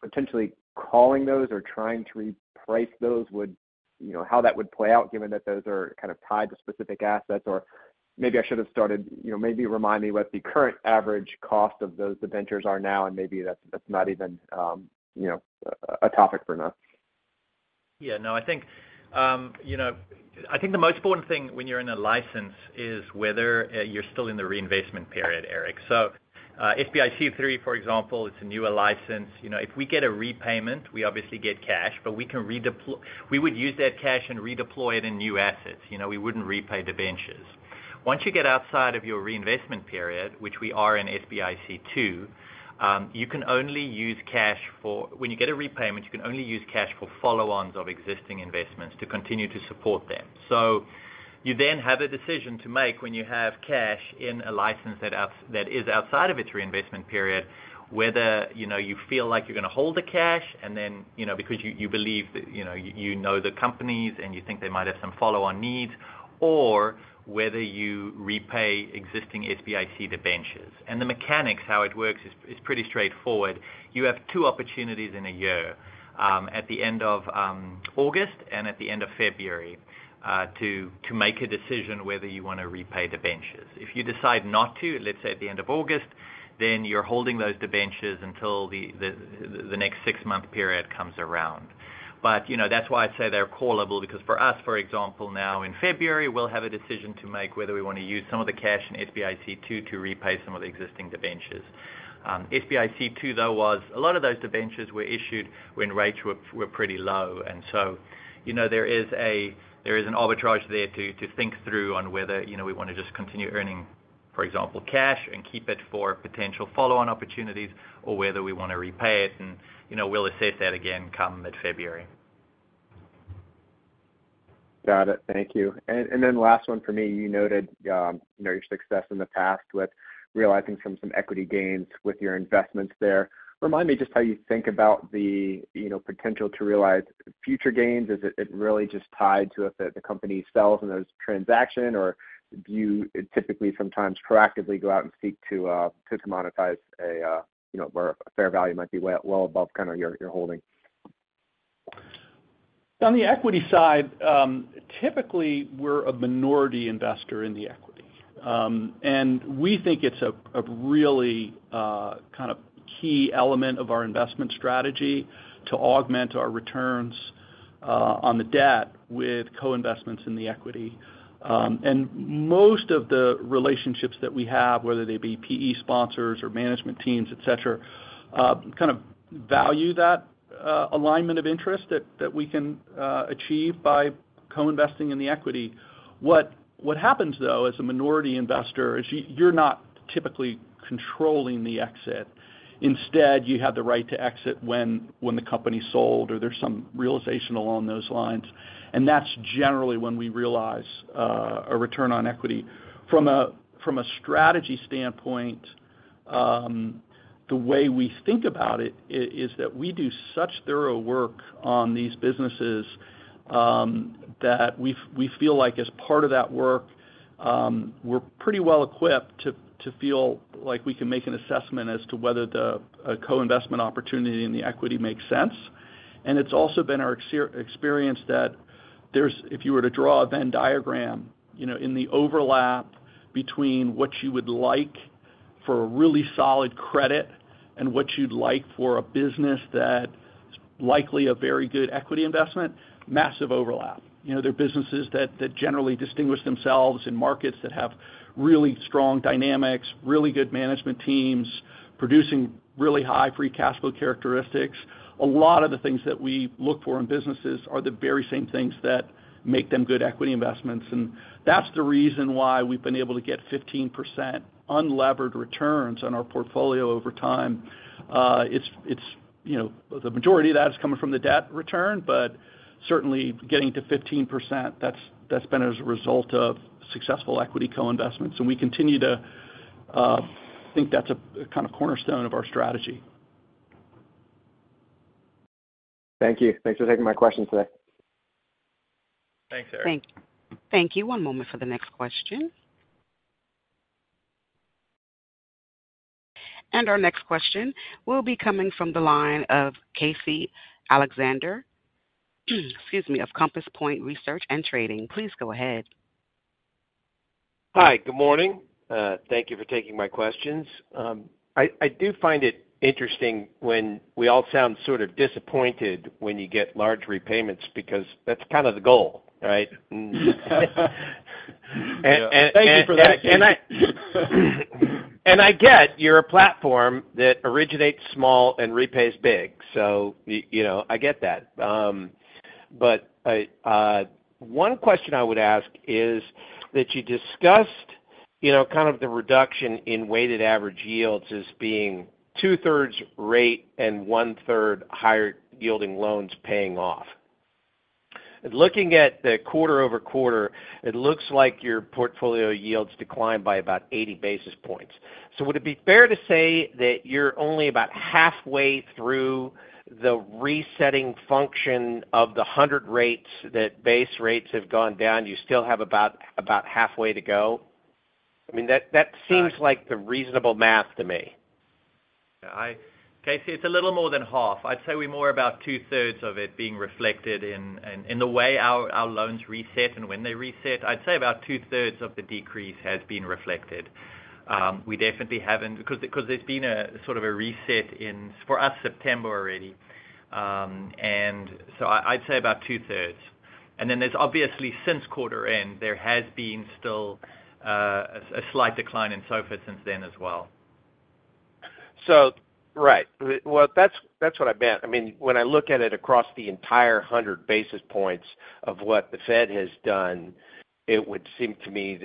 potentially calling those or trying to reprice those, how that would play out given that those are kind of tied to specific assets, or maybe I should have started. Maybe remind me what the current average cost of those debentures are now, and maybe that's not even a topic for now? Yeah. No, I think the most important thing when you're in a license is whether you're still in the reinvestment period, Erik. So SBIC III, for example, it's a newer license. If we get a repayment, we obviously get cash, but we would use that cash and redeploy it in new assets. We wouldn't repay the debentures. Once you get outside of your reinvestment period, which we are in SBIC II, you can only use cash for when you get a repayment, you can only use cash for follow-ons of existing investments to continue to support them. You then have a decision to make when you have cash in a license that is outside of its reinvestment period, whether you feel like you're going to hold the cash because you believe that you know the companies and you think they might have some follow-on needs, or whether you repay existing SBIC, the debentures. The mechanics, how it works, is pretty straightforward. You have two opportunities in a year at the end of August and at the end of February to make a decision whether you want to repay the debentures. If you decide not to, let's say at the end of August, then you're holding those debentures until the next six-month period comes around. But that's why I say they're callable because for us, for example, now in February, we'll have a decision to make whether we want to use some of the cash in SBIC II to repay some of the existing debentures. SBIC II, though, where a lot of those debentures were issued when rates were pretty low, and so there is an arbitrage there to think through on whether we want to just continue earning, for example, cash and keep it for potential follow-on opportunities, or whether we want to repay it, and we'll assess that again come mid-February. Got it. Thank you. And then last one for me, you noted your success in the past with realizing some equity gains with your investments there. Remind me just how you think about the potential to realize future gains. Is it really just tied to the company's sales and those transactions, or do you typically sometimes proactively go out and seek to commoditize where a fair value might be well above kind of your holding? On the equity side, typically we're a minority investor in the equity, and we think it's a really kind of key element of our investment strategy to augment our returns on the debt with co-investments in the equity. Most of the relationships that we have, whether they be PE sponsors or management teams, etc., kind of value that alignment of interest that we can achieve by co-investing in the equity. What happens, though, as a minority investor, is you're not typically controlling the exit. Instead, you have the right to exit when the company sold or there's some realization along those lines, and that's generally when we realize a return on equity. From a strategy standpoint, the way we think about it is that we do such thorough work on these businesses that we feel like as part of that work, we're pretty well equipped to feel like we can make an assessment as to whether the co-investment opportunity in the equity makes sense. And it's also been our experience that if you were to draw a Venn diagram in the overlap between what you would like for a really solid credit and what you'd like for a business that's likely a very good equity investment, massive overlap. There are businesses that generally distinguish themselves in markets that have really strong dynamics, really good management teams, producing really high free cash flow characteristics. A lot of the things that we look for in businesses are the very same things that make them good equity investments, and that's the reason why we've been able to get 15% unlevered returns on our portfolio over time. The majority of that is coming from the debt return, but certainly getting to 15%, that's been as a result of successful equity co-investments, and we continue to think that's a kind of cornerstone of our strategy. Thank you. Thanks for taking my questions today. Thanks, Erik. Thank you. One moment for the next question, and our next question will be coming from the line of Casey Alexander, excuse me, of Compass Point Research and Trading. Please go ahead. Hi. Good morning. Thank you for taking my questions. I do find it interesting when we all sound sort of disappointed when you get large repayments because that's kind of the goal, right? And. Thank you for that. And I get you're a platform that originates small and repays big, so I get that. But one question I would ask is that you discussed kind of the reduction in weighted average yields as being 2/3 rate and 1/3 higher yielding loans paying off. Looking at the quarter over quarter, it looks like your portfolio yields declined by about 80 basis points. So would it be fair to say that you're only about halfway through the resetting function of the 100 rates that base rates have gone down? You still have about halfway to go? I mean, that seems like the reasonable math to me. Casey, it's a little more than half. I'd say we're more about 2/3 of it being reflected in the way our loans reset and when they reset. I'd say about 2/3 of the decrease has been reflected. We definitely haven't because there's been a sort of a reset in, for us, September already, and so I'd say about 2/3. And then there's obviously, since quarter end, there has been still a slight decline in SOFR since then as well. Right. Well, that's what I meant. I mean, when I look at it across the entire 100 basis points of what the Fed has done, it would seem to me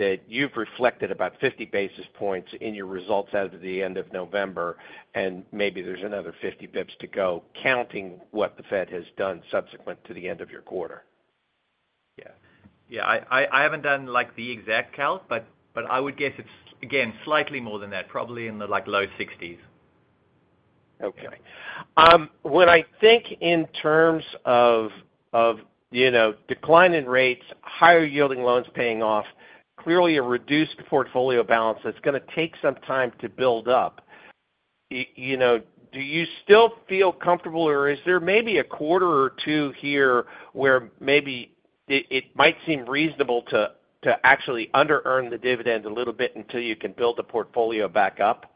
that you've reflected about 50 basis points in your results as of the end of November, and maybe there's another 50 basis points to go counting what the Fed has done subsequent to the end of your quarter. Yeah. Yeah. I haven't done the exact count, but I would guess it's, again, slightly more than that, probably in the low 60s. Okay. When I think in terms of declining rates, higher yielding loans paying off, clearly a reduced portfolio balance that's going to take some time to build up, do you still feel comfortable, or is there maybe a quarter or two here where maybe it might seem reasonable to actually under-earn the dividend a little bit until you can build the portfolio back up?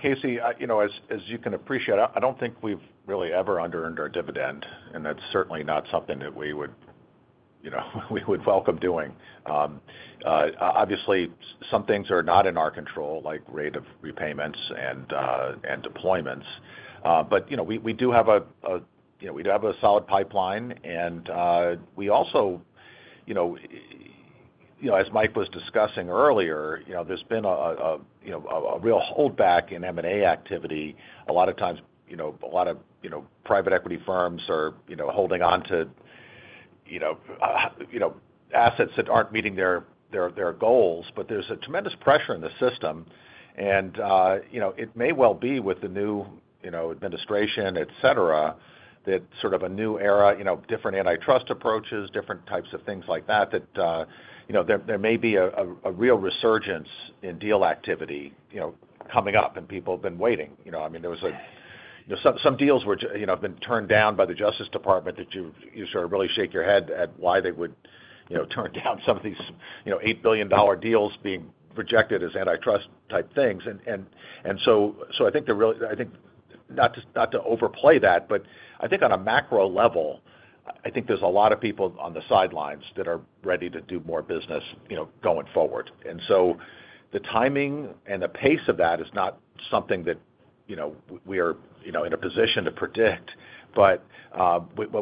Casey, as you can appreciate, I don't think we've really ever under-earned our dividend, and that's certainly not something that we would welcome doing. Obviously, some things are not in our control, like rate of repayments and deployments, but we do have a solid pipeline, and we also, as Mike was discussing earlier, there's been a real holdback in M&A activity. A lot of times, a lot of private equity firms are holding on to assets that aren't meeting their goals, but there's a tremendous pressure in the system, and it may well be with the new administration, etc., that sort of a new era, different antitrust approaches, different types of things like that, that there may be a real resurgence in deal activity coming up, and people have been waiting. I mean, there was some deals that have been turned down by the Justice Department that you sort of really shake your head at why they would turn down some of these $8 billion deals being rejected as antitrust-type things. And so I think, really, I think not to overplay that, but I think on a macro level, I think there's a lot of people on the sidelines that are ready to do more business going forward. And so the timing and the pace of that is not something that we are in a position to predict, but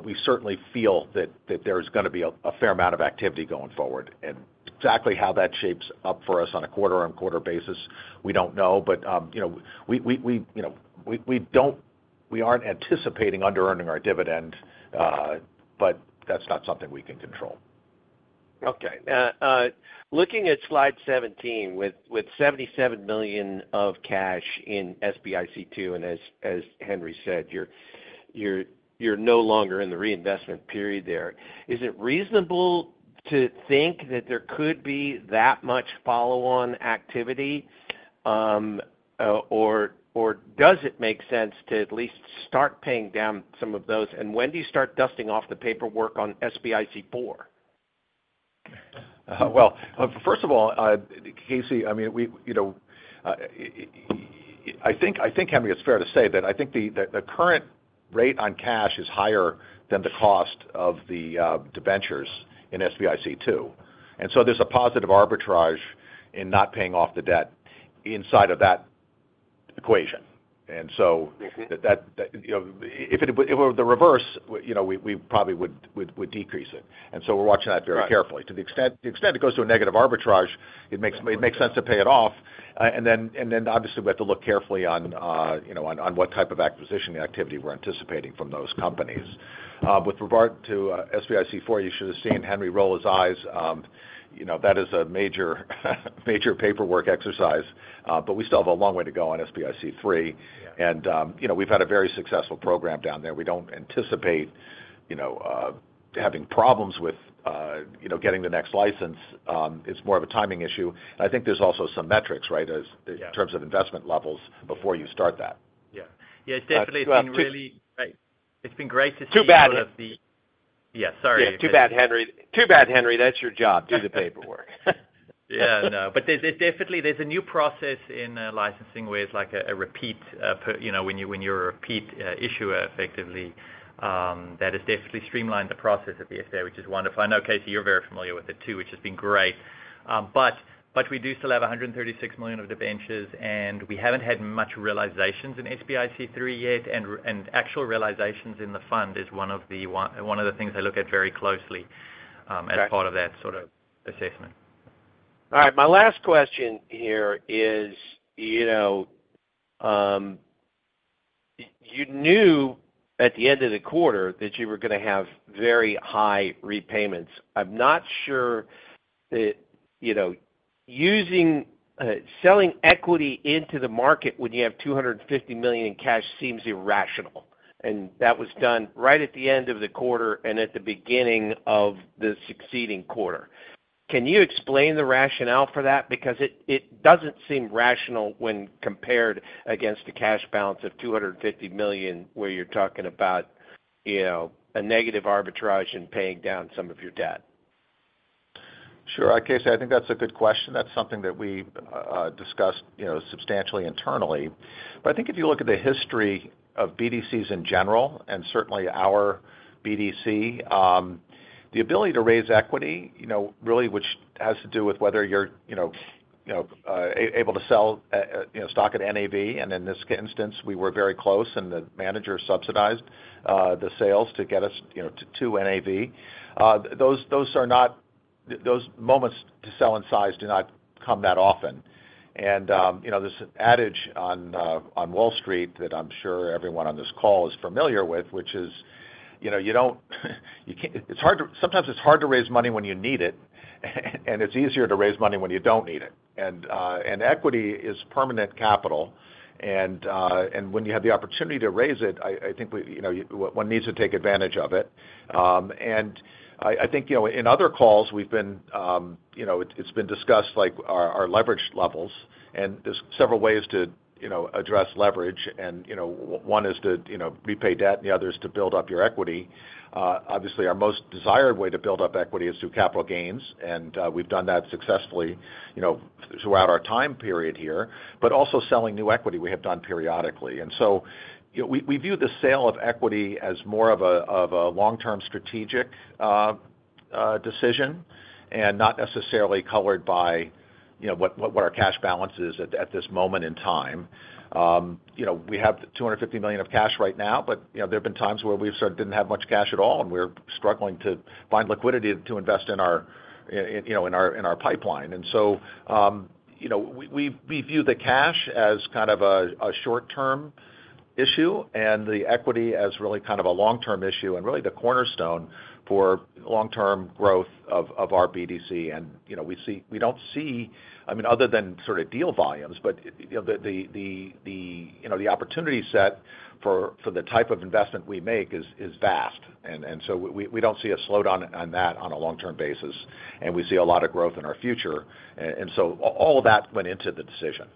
we certainly feel that there's going to be a fair amount of activity going forward. And exactly how that shapes up for us on a quarter-on-quarter basis, we don't know, but we aren't anticipating under-earning our dividend, but that's not something we can control. Okay. Looking at Slide 17 with $77 million of cash in SBIC II, and as Henri said, you're no longer in the reinvestment period there. Is it reasonable to think that there could be that much follow-on activity, or does it make sense to at least start paying down some of those, and when do you start dusting off the paperwork on SBIC IV? First of all, Casey, I mean, I think Henri, it's fair to say that I think the current rate on cash is higher than the cost of the debentures in SBIC II, and so there's a positive arbitrage in not paying off the debt inside of that equation. And so if it were the reverse, we probably would decrease it, and so we're watching that very carefully. To the extent it goes to a negative arbitrage, it makes sense to pay it off, and then obviously we have to look carefully on what type of acquisition activity we're anticipating from those companies. With regard to SBIC IV, you should have seen Henri roll his eyes. That is a major paperwork exercise, but we still have a long way to go on SBIC III, and we've had a very successful program down there. We don't anticipate having problems with getting the next license. It's more of a timing issue, and I think there's also some metrics, right, in terms of investment levels before you start that. Yeah. Yeah. It's definitely been really. Too bad. It's been great to see some of the. Too bad. Yeah. Sorry. Yeah. Too bad, Henri. Too bad, Henri. That's your job. Do the paperwork. Yeah. No. But there's definitely a new process in licensing where it's like a repeat when you're a repeat issuer, effectively, that has definitely streamlined the process at the SBA, which is wonderful. I know, Casey, you're very familiar with it too, which has been great, but we do still have $136 million of the debentures, and we haven't had much realizations in SBIC III yet, and actual realizations in the fund is one of the things I look at very closely as part of that sort of assessment. All right. My last question here is you knew at the end of the quarter that you were going to have very high repayments. I'm not sure that selling equity into the market when you have $250 million in cash seems irrational, and that was done right at the end of the quarter and at the beginning of the succeeding quarter. Can you explain the rationale for that? Because it doesn't seem rational when compared against the cash balance of $250 million where you're talking about a negative arbitrage in paying down some of your debt. Sure. Casey, I think that's a good question. That's something that we discussed substantially internally, but I think if you look at the history of BDCs in general, and certainly our BDC, the ability to raise equity really, which has to do with whether you're able to sell stock at NAV, and in this instance, we were very close, and the manager subsidized the sales to get us to NAV. Those are not moments to sell in size do not come that often, and there's an adage on Wall Street that I'm sure everyone on this call is familiar with, which is sometimes it's hard to raise money when you need it, and it's easier to raise money when you don't need it. Equity is permanent capital, and when you have the opportunity to raise it, I think one needs to take advantage of it. I think in other calls, it's been discussed our leverage levels, and there's several ways to address leverage, and one is to repay debt, and the other is to build up your equity. Obviously, our most desired way to build up equity is through capital gains, and we've done that successfully throughout our time period here, but also selling new equity we have done periodically. So we view the sale of equity as more of a long-term strategic decision and not necessarily colored by what our cash balance is at this moment in time. We have $250 million of cash right now, but there have been times where we sort of didn't have much cash at all, and we're struggling to find liquidity to invest in our pipeline. And so we view the cash as kind of a short-term issue and the equity as really kind of a long-term issue and really the cornerstone for long-term growth of our BDC. And we don't see, I mean, other than sort of deal volumes, but the opportunity set for the type of investment we make is vast, and so we don't see a slowdown on that on a long-term basis, and we see a lot of growth in our future. And so all of that went into the decision.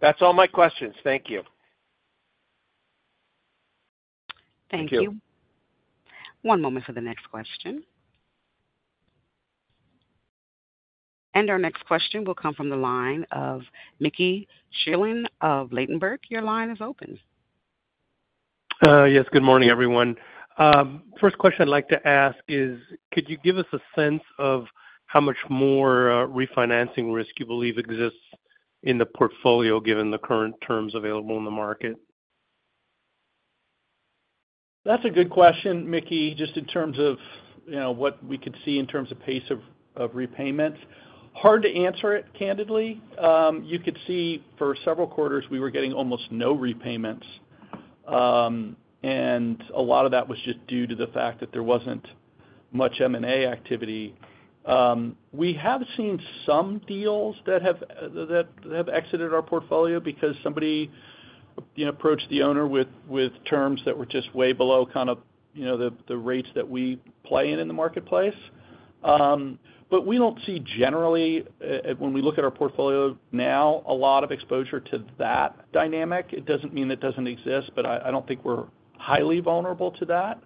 That's all my questions. Thank you. Thank you. One moment for the next question. And our next question will come from the line of Mickey Schleien of Ladenburg Thalmann. Your line is open. Yes. Good morning, everyone. First question I'd like to ask is, could you give us a sense of how much more refinancing risk you believe exists in the portfolio given the current terms available in the market? That's a good question, Mickey, just in terms of what we could see in terms of pace of repayments. Hard to answer it, candidly. You could see for several quarters we were getting almost no repayments, and a lot of that was just due to the fact that there wasn't much M&A activity. We have seen some deals that have exited our portfolio because somebody approached the owner with terms that were just way below kind of the rates that we play in in the marketplace, but we don't see generally, when we look at our portfolio now, a lot of exposure to that dynamic. It doesn't mean it doesn't exist, but I don't think we're highly vulnerable to that.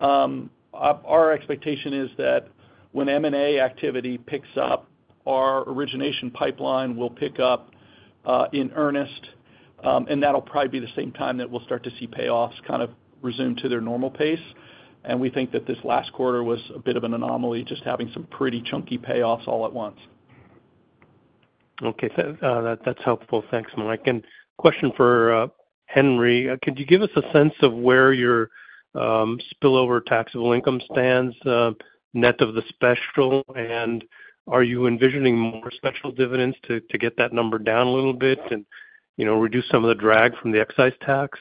Our expectation is that when M&A activity picks up, our origination pipeline will pick up in earnest, and that'll probably be the same time that we'll start to see payoffs kind of resume to their normal pace, and we think that this last quarter was a bit of an anomaly just having some pretty chunky payoffs all at once. Okay. That's helpful. Thanks, Mike. And question for Henri. Could you give us a sense of where your spillover taxable income stands net of the special, and are you envisioning more special dividends to get that number down a little bit and reduce some of the drag from the excise tax?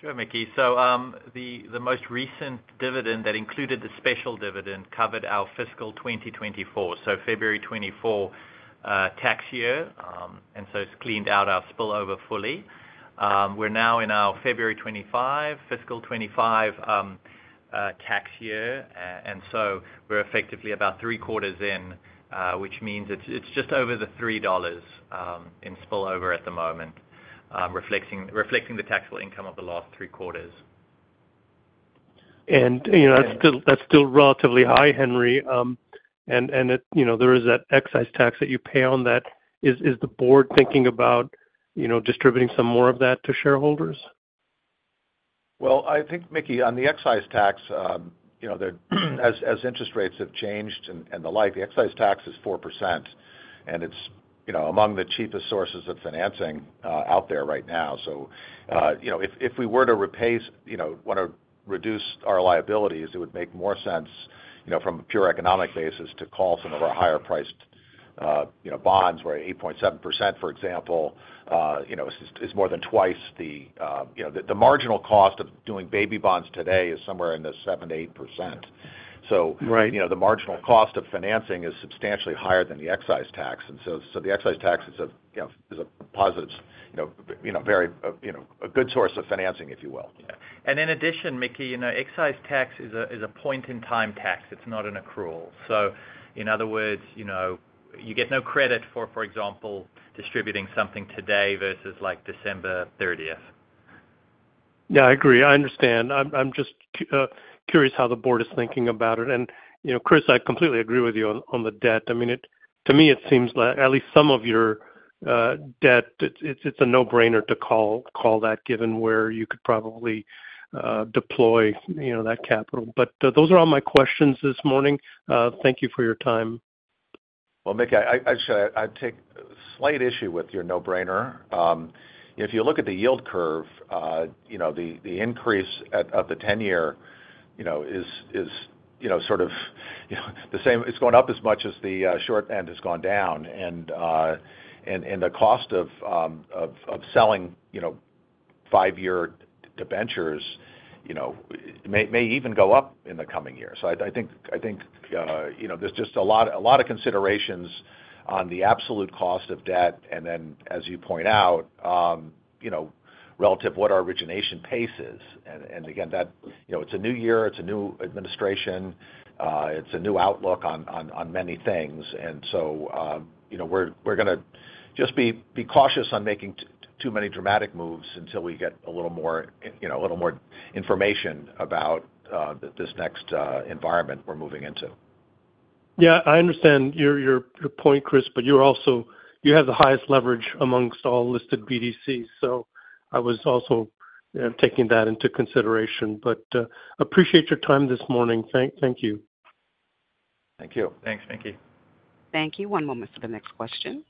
Sure, Mickey, so the most recent dividend that included the special dividend covered our fiscal 2024, so February 2024 tax year, and so it's cleaned out our spillover fully. We're now in our February 2025, fiscal 2025 tax year, and so we're effectively about three quarters in, which means it's just over the $3 in spillover at the moment, reflecting the taxable income of the last three quarters. And that's still relatively high, Henri, and there is that excise tax that you pay on that. Is the board thinking about distributing some more of that to shareholders? I think, Mickey, on the excise tax, as interest rates have changed and the like, the excise tax is 4%, and it's among the cheapest sources of financing out there right now. So if we were to replace want to reduce our liabilities, it would make more sense from a pure economic basis to call some of our higher-priced bonds where 8.7%, for example, is more than twice the marginal cost of doing baby bonds today is somewhere in the 7%-8%. So the marginal cost of financing is substantially higher than the excise tax, and so the excise tax is a positive, very good source of financing, if you will. And in addition, Mickey, excise tax is a point-in-time tax. It's not an accrual. So in other words, you get no credit for, for example, distributing something today versus December 30th. Yeah. I agree. I understand. I'm just curious how the board is thinking about it, and Chris, I completely agree with you on the debt. I mean, to me, it seems like at least some of your debt, it's a no-brainer to call that given where you could probably deploy that capital, but those are all my questions this morning. Thank you for your time. Mickey, I'd say I take a slight issue with your no-brainer. If you look at the yield curve, the increase of the 10-year is sort of the same. It's going up as much as the short end has gone down, and the cost of selling five-year debentures may even go up in the coming years. So I think there's just a lot of considerations on the absolute cost of debt, and then, as you point out, relative to what our origination pace is. And again, it's a new year. It's a new administration. It's a new outlook on many things, and so we're going to just be cautious on making too many dramatic moves until we get a little more information about this next environment we're moving into. Yeah. I understand your point, Chris, but you have the highest leverage amongst all listed BDCs, so I was also taking that into consideration, but appreciate your time this morning. Thank you. Thank you. Thanks, Mickey. Thank you. One moment for the next question.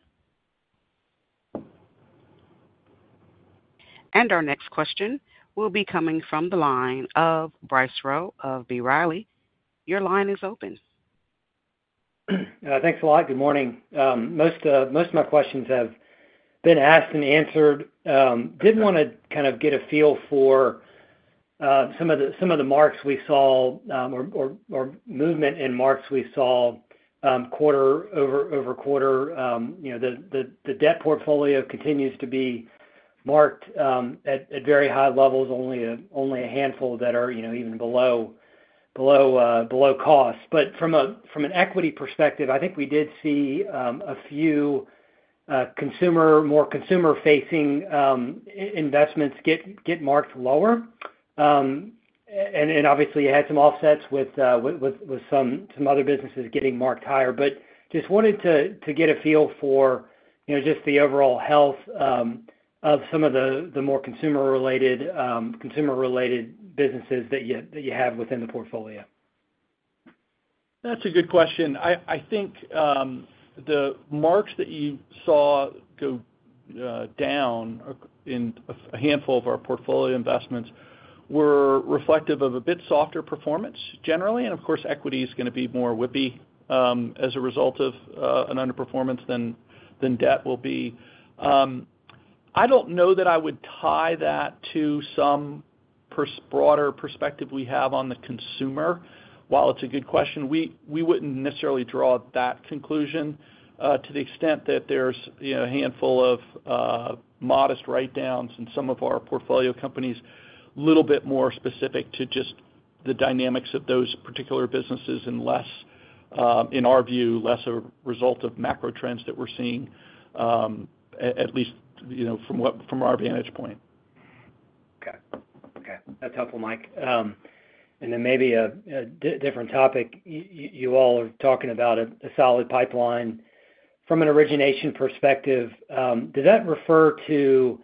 And our next question will be coming from the line of Bryce Rowe of B. Riley. Your line is open. Thanks a lot. Good morning. Most of my questions have been asked and answered. Did want to kind of get a feel for some of the marks we saw or movement in marks we saw quarter-over-quarter. The debt portfolio continues to be marked at very high levels, only a handful that are even below cost, but from an equity perspective, I think we did see a few more consumer-facing investments get marked lower, and obviously, you had some offsets with some other businesses getting marked higher, but just wanted to get a feel for just the overall health of some of the more consumer-related businesses that you have within the portfolio. That's a good question. I think the marks that you saw go down in a handful of our portfolio investments were reflective of a bit softer performance generally, and of course, equity is going to be more whippy as a result of an underperformance than debt will be. I don't know that I would tie that to some broader perspective we have on the consumer. While it's a good question, we wouldn't necessarily draw that conclusion to the extent that there's a handful of modest write-downs in some of our portfolio companies, a little bit more specific to just the dynamics of those particular businesses and, in our view, less a result of macro trends that we're seeing, at least from our vantage point. Okay. Okay. That's helpful, Mike. And then maybe a different topic. You all are talking about a solid pipeline from an origination perspective. Does that refer to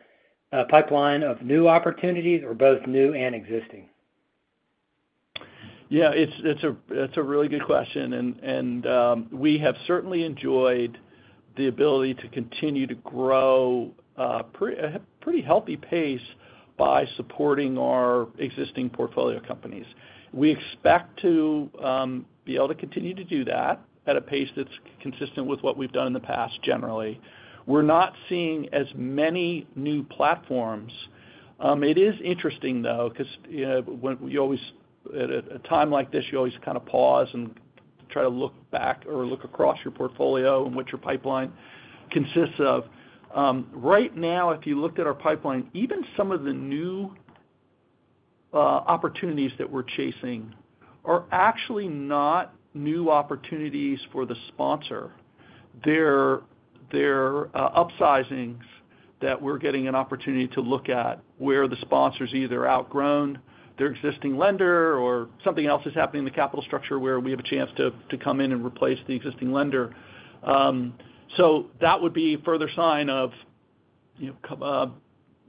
a pipeline of new opportunities or both new and existing? Yeah. It's a really good question, and we have certainly enjoyed the ability to continue to grow at a pretty healthy pace by supporting our existing portfolio companies. We expect to be able to continue to do that at a pace that's consistent with what we've done in the past generally. We're not seeing as many new platforms. It is interesting, though, because at a time like this, you always kind of pause and try to look back or look across your portfolio and what your pipeline consists of. Right now, if you looked at our pipeline, even some of the new opportunities that we're chasing are actually not new opportunities for the sponsor. They're upsizings that we're getting an opportunity to look at where the sponsor's either outgrown their existing lender or something else is happening in the capital structure where we have a chance to come in and replace the existing lender. So that would be a further sign of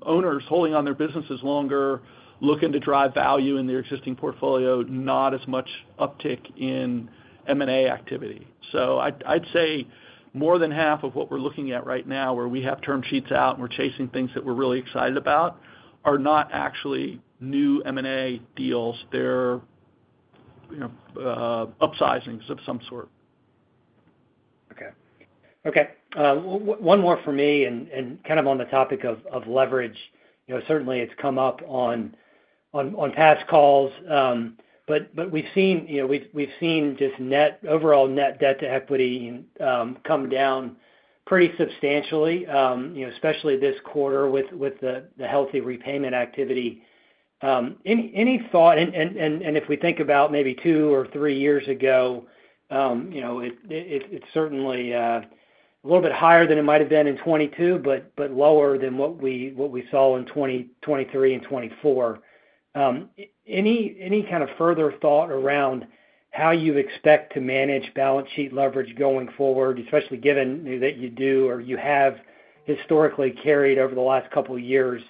owners holding on their businesses longer, looking to drive value in their existing portfolio, not as much uptick in M&A activity. So I'd say more than half of what we're looking at right now where we have term sheets out and we're chasing things that we're really excited about are not actually new M&A deals. They're upsizings of some sort. Okay. Okay. One more for me and kind of on the topic of leverage. Certainly, it's come up on past calls, but we've seen just overall net debt to equity come down pretty substantially, especially this quarter with the healthy repayment activity. Any thought? And if we think about maybe two or three years ago, it's certainly a little bit higher than it might have been in 2022, but lower than what we saw in 2023 and 2024. Any kind of further thought around how you expect to manage balance sheet leverage going forward, especially given that you do or you have historically carried over the last couple of years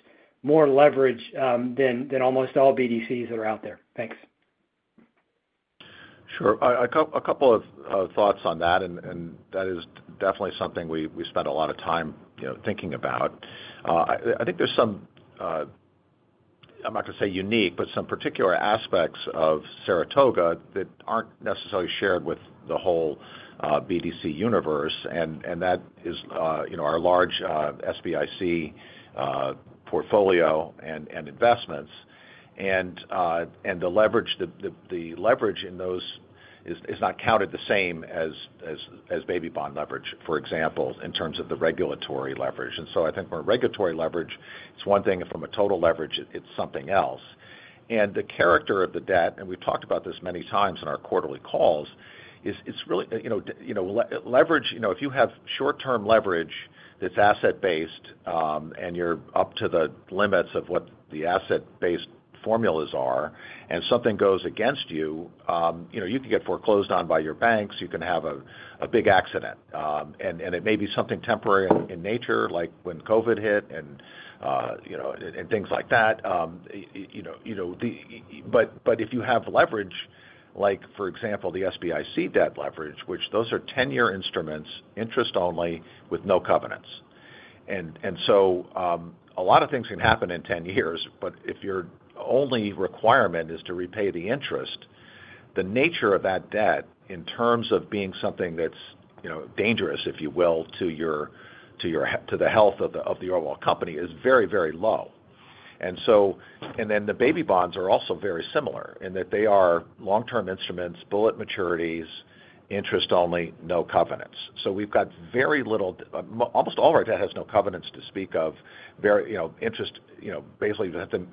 more leverage than almost all BDCs that are out there? Thanks. Sure. A couple of thoughts on that, and that is definitely something we spent a lot of time thinking about. I think there's some. I'm not going to say unique, but some particular aspects of Saratoga that aren't necessarily shared with the whole BDC universe, and that is our large SBIC portfolio and investments, and the leverage in those is not counted the same as baby bond leverage, for example, in terms of the regulatory leverage. And so I think more regulatory leverage. It's one thing. From a total leverage, it's something else. And the character of the debt, and we've talked about this many times in our quarterly calls, is it's really leverage. If you have short-term leverage that's asset-based and you're up to the limits of what the asset-based formulas are, and something goes against you, you can get foreclosed on by your banks. You can have a big accident, and it may be something temporary in nature, like when COVID hit and things like that. But if you have leverage, like for example, the SBIC debt leverage, which those are 10-year instruments, interest only with no covenants. And so a lot of things can happen in 10 years, but if your only requirement is to repay the interest, the nature of that debt in terms of being something that's dangerous, if you will, to the health of the overall company is very, very low. And then the baby bonds are also very similar in that they are long-term instruments, bullet maturities, interest only, no covenants. So we've got very little. Almost all our debt has no covenants to speak of. Basically, you have to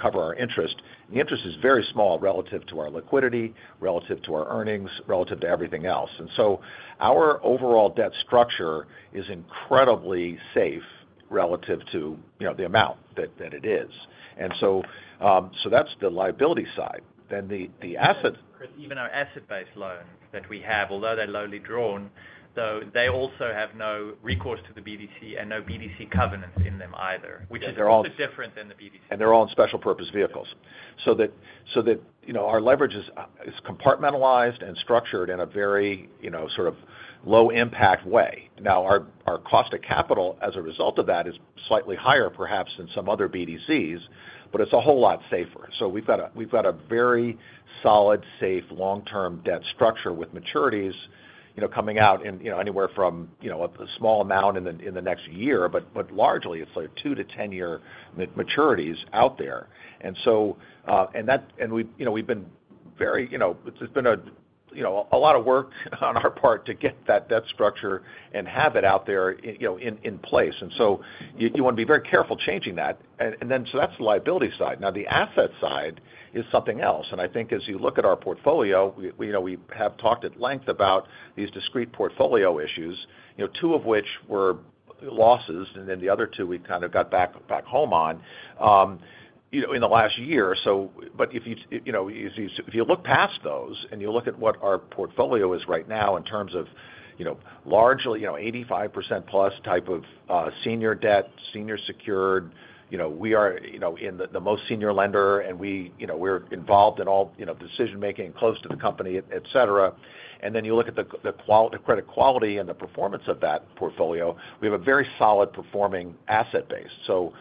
cover our interest. The interest is very small relative to our liquidity, relative to our earnings, relative to everything else. And so our overall debt structure is incredibly safe relative to the amount that it is. And so that's the liability side. Then the asset. Even our asset-based loans that we have, although they're lowly drawn, though they also have no recourse to the BDC and no BDC covenants in them either, which is a bit different than the BDC. They're all in special purpose vehicles so that our leverage is compartmentalized and structured in a very sort of low-impact way. Now, our cost of capital as a result of that is slightly higher, perhaps, than some other BDCs, but it's a whole lot safer. So we've got a very solid, safe, long-term debt structure with maturities coming out anywhere from a small amount in the next year, but largely, it's like 2- to 10-year maturities out there. And we've been very, it's been a lot of work on our part to get that debt structure and have it out there in place. And so you want to be very careful changing that. And then so that's the liability side. Now, the asset side is something else. And I think as you look at our portfolio, we have talked at length about these discrete portfolio issues, two of which were losses, and then the other two we kind of got back home on in the last year. But if you look past those and you look at what our portfolio is right now in terms of largely 85% plus type of senior debt, senior secured, we are the most senior lender, and we're involved in all decision-making close to the company, etc. And then you look at the credit quality and the performance of that portfolio, we have a very solid-performing asset base. So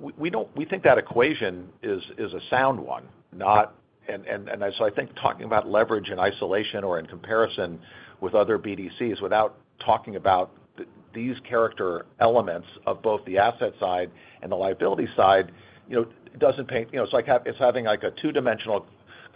we think that equation is a sound one. And so I think talking about leverage in isolation or in comparison with other BDCs without talking about these character elements of both the asset side and the liability side doesn't. It's like having a two-dimensional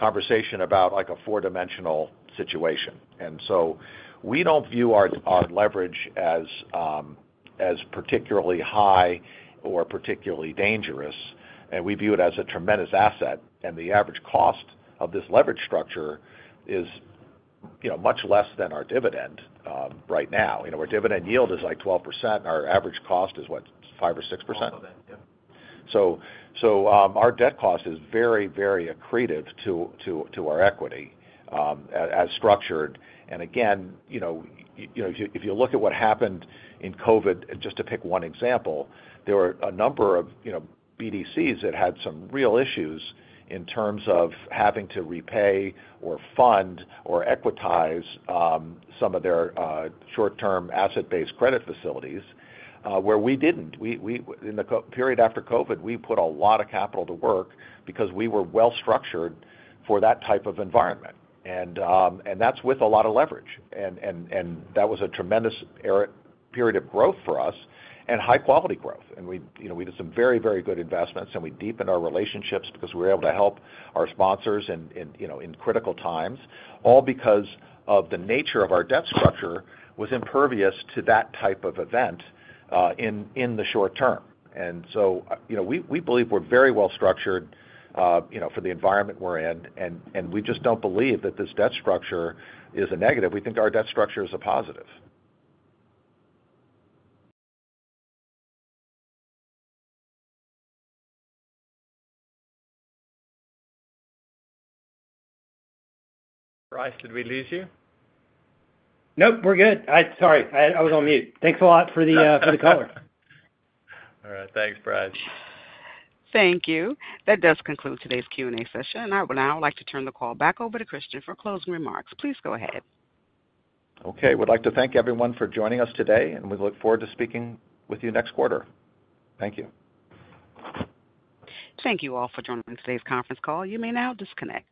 conversation about a four-dimensional situation. And so we don't view our leverage as particularly high or particularly dangerous, and we view it as a tremendous asset. And the average cost of this leverage structure is much less than our dividend right now. Our dividend yield is like 12%, and our average cost is what, 5% or 6%? Both of them. Yep. Our debt cost is very, very accretive to our equity as structured. Again, if you look at what happened in COVID, just to pick one example, there were a number of BDCs that had some real issues in terms of having to repay or fund or equitize some of their short-term asset-based credit facilities, where we didn't. In the period after COVID, we put a lot of capital to work because we were well-structured for that type of environment. That's with a lot of leverage. That was a tremendous period of growth for us and high-quality growth. We did some very, very good investments, and we deepened our relationships because we were able to help our sponsors in critical times, all because of the nature of our debt structure was impervious to that type of event in the short term. We believe we're very well-structured for the environment we're in, and we just don't believe that this debt structure is a negative. We think our debt structure is a positive. Bryce, did we lose you? Nope. We're good. Sorry. I was on mute. Thanks a lot for the color. All right. Thanks, Bryce. Thank you. That does conclude today's Q&A session. I would now like to turn the call back over to Christian for closing remarks. Please go ahead. Okay. We'd like to thank everyone for joining us today, and we look forward to speaking with you next quarter. Thank you. Thank you all for joining today's conference call. You may now disconnect.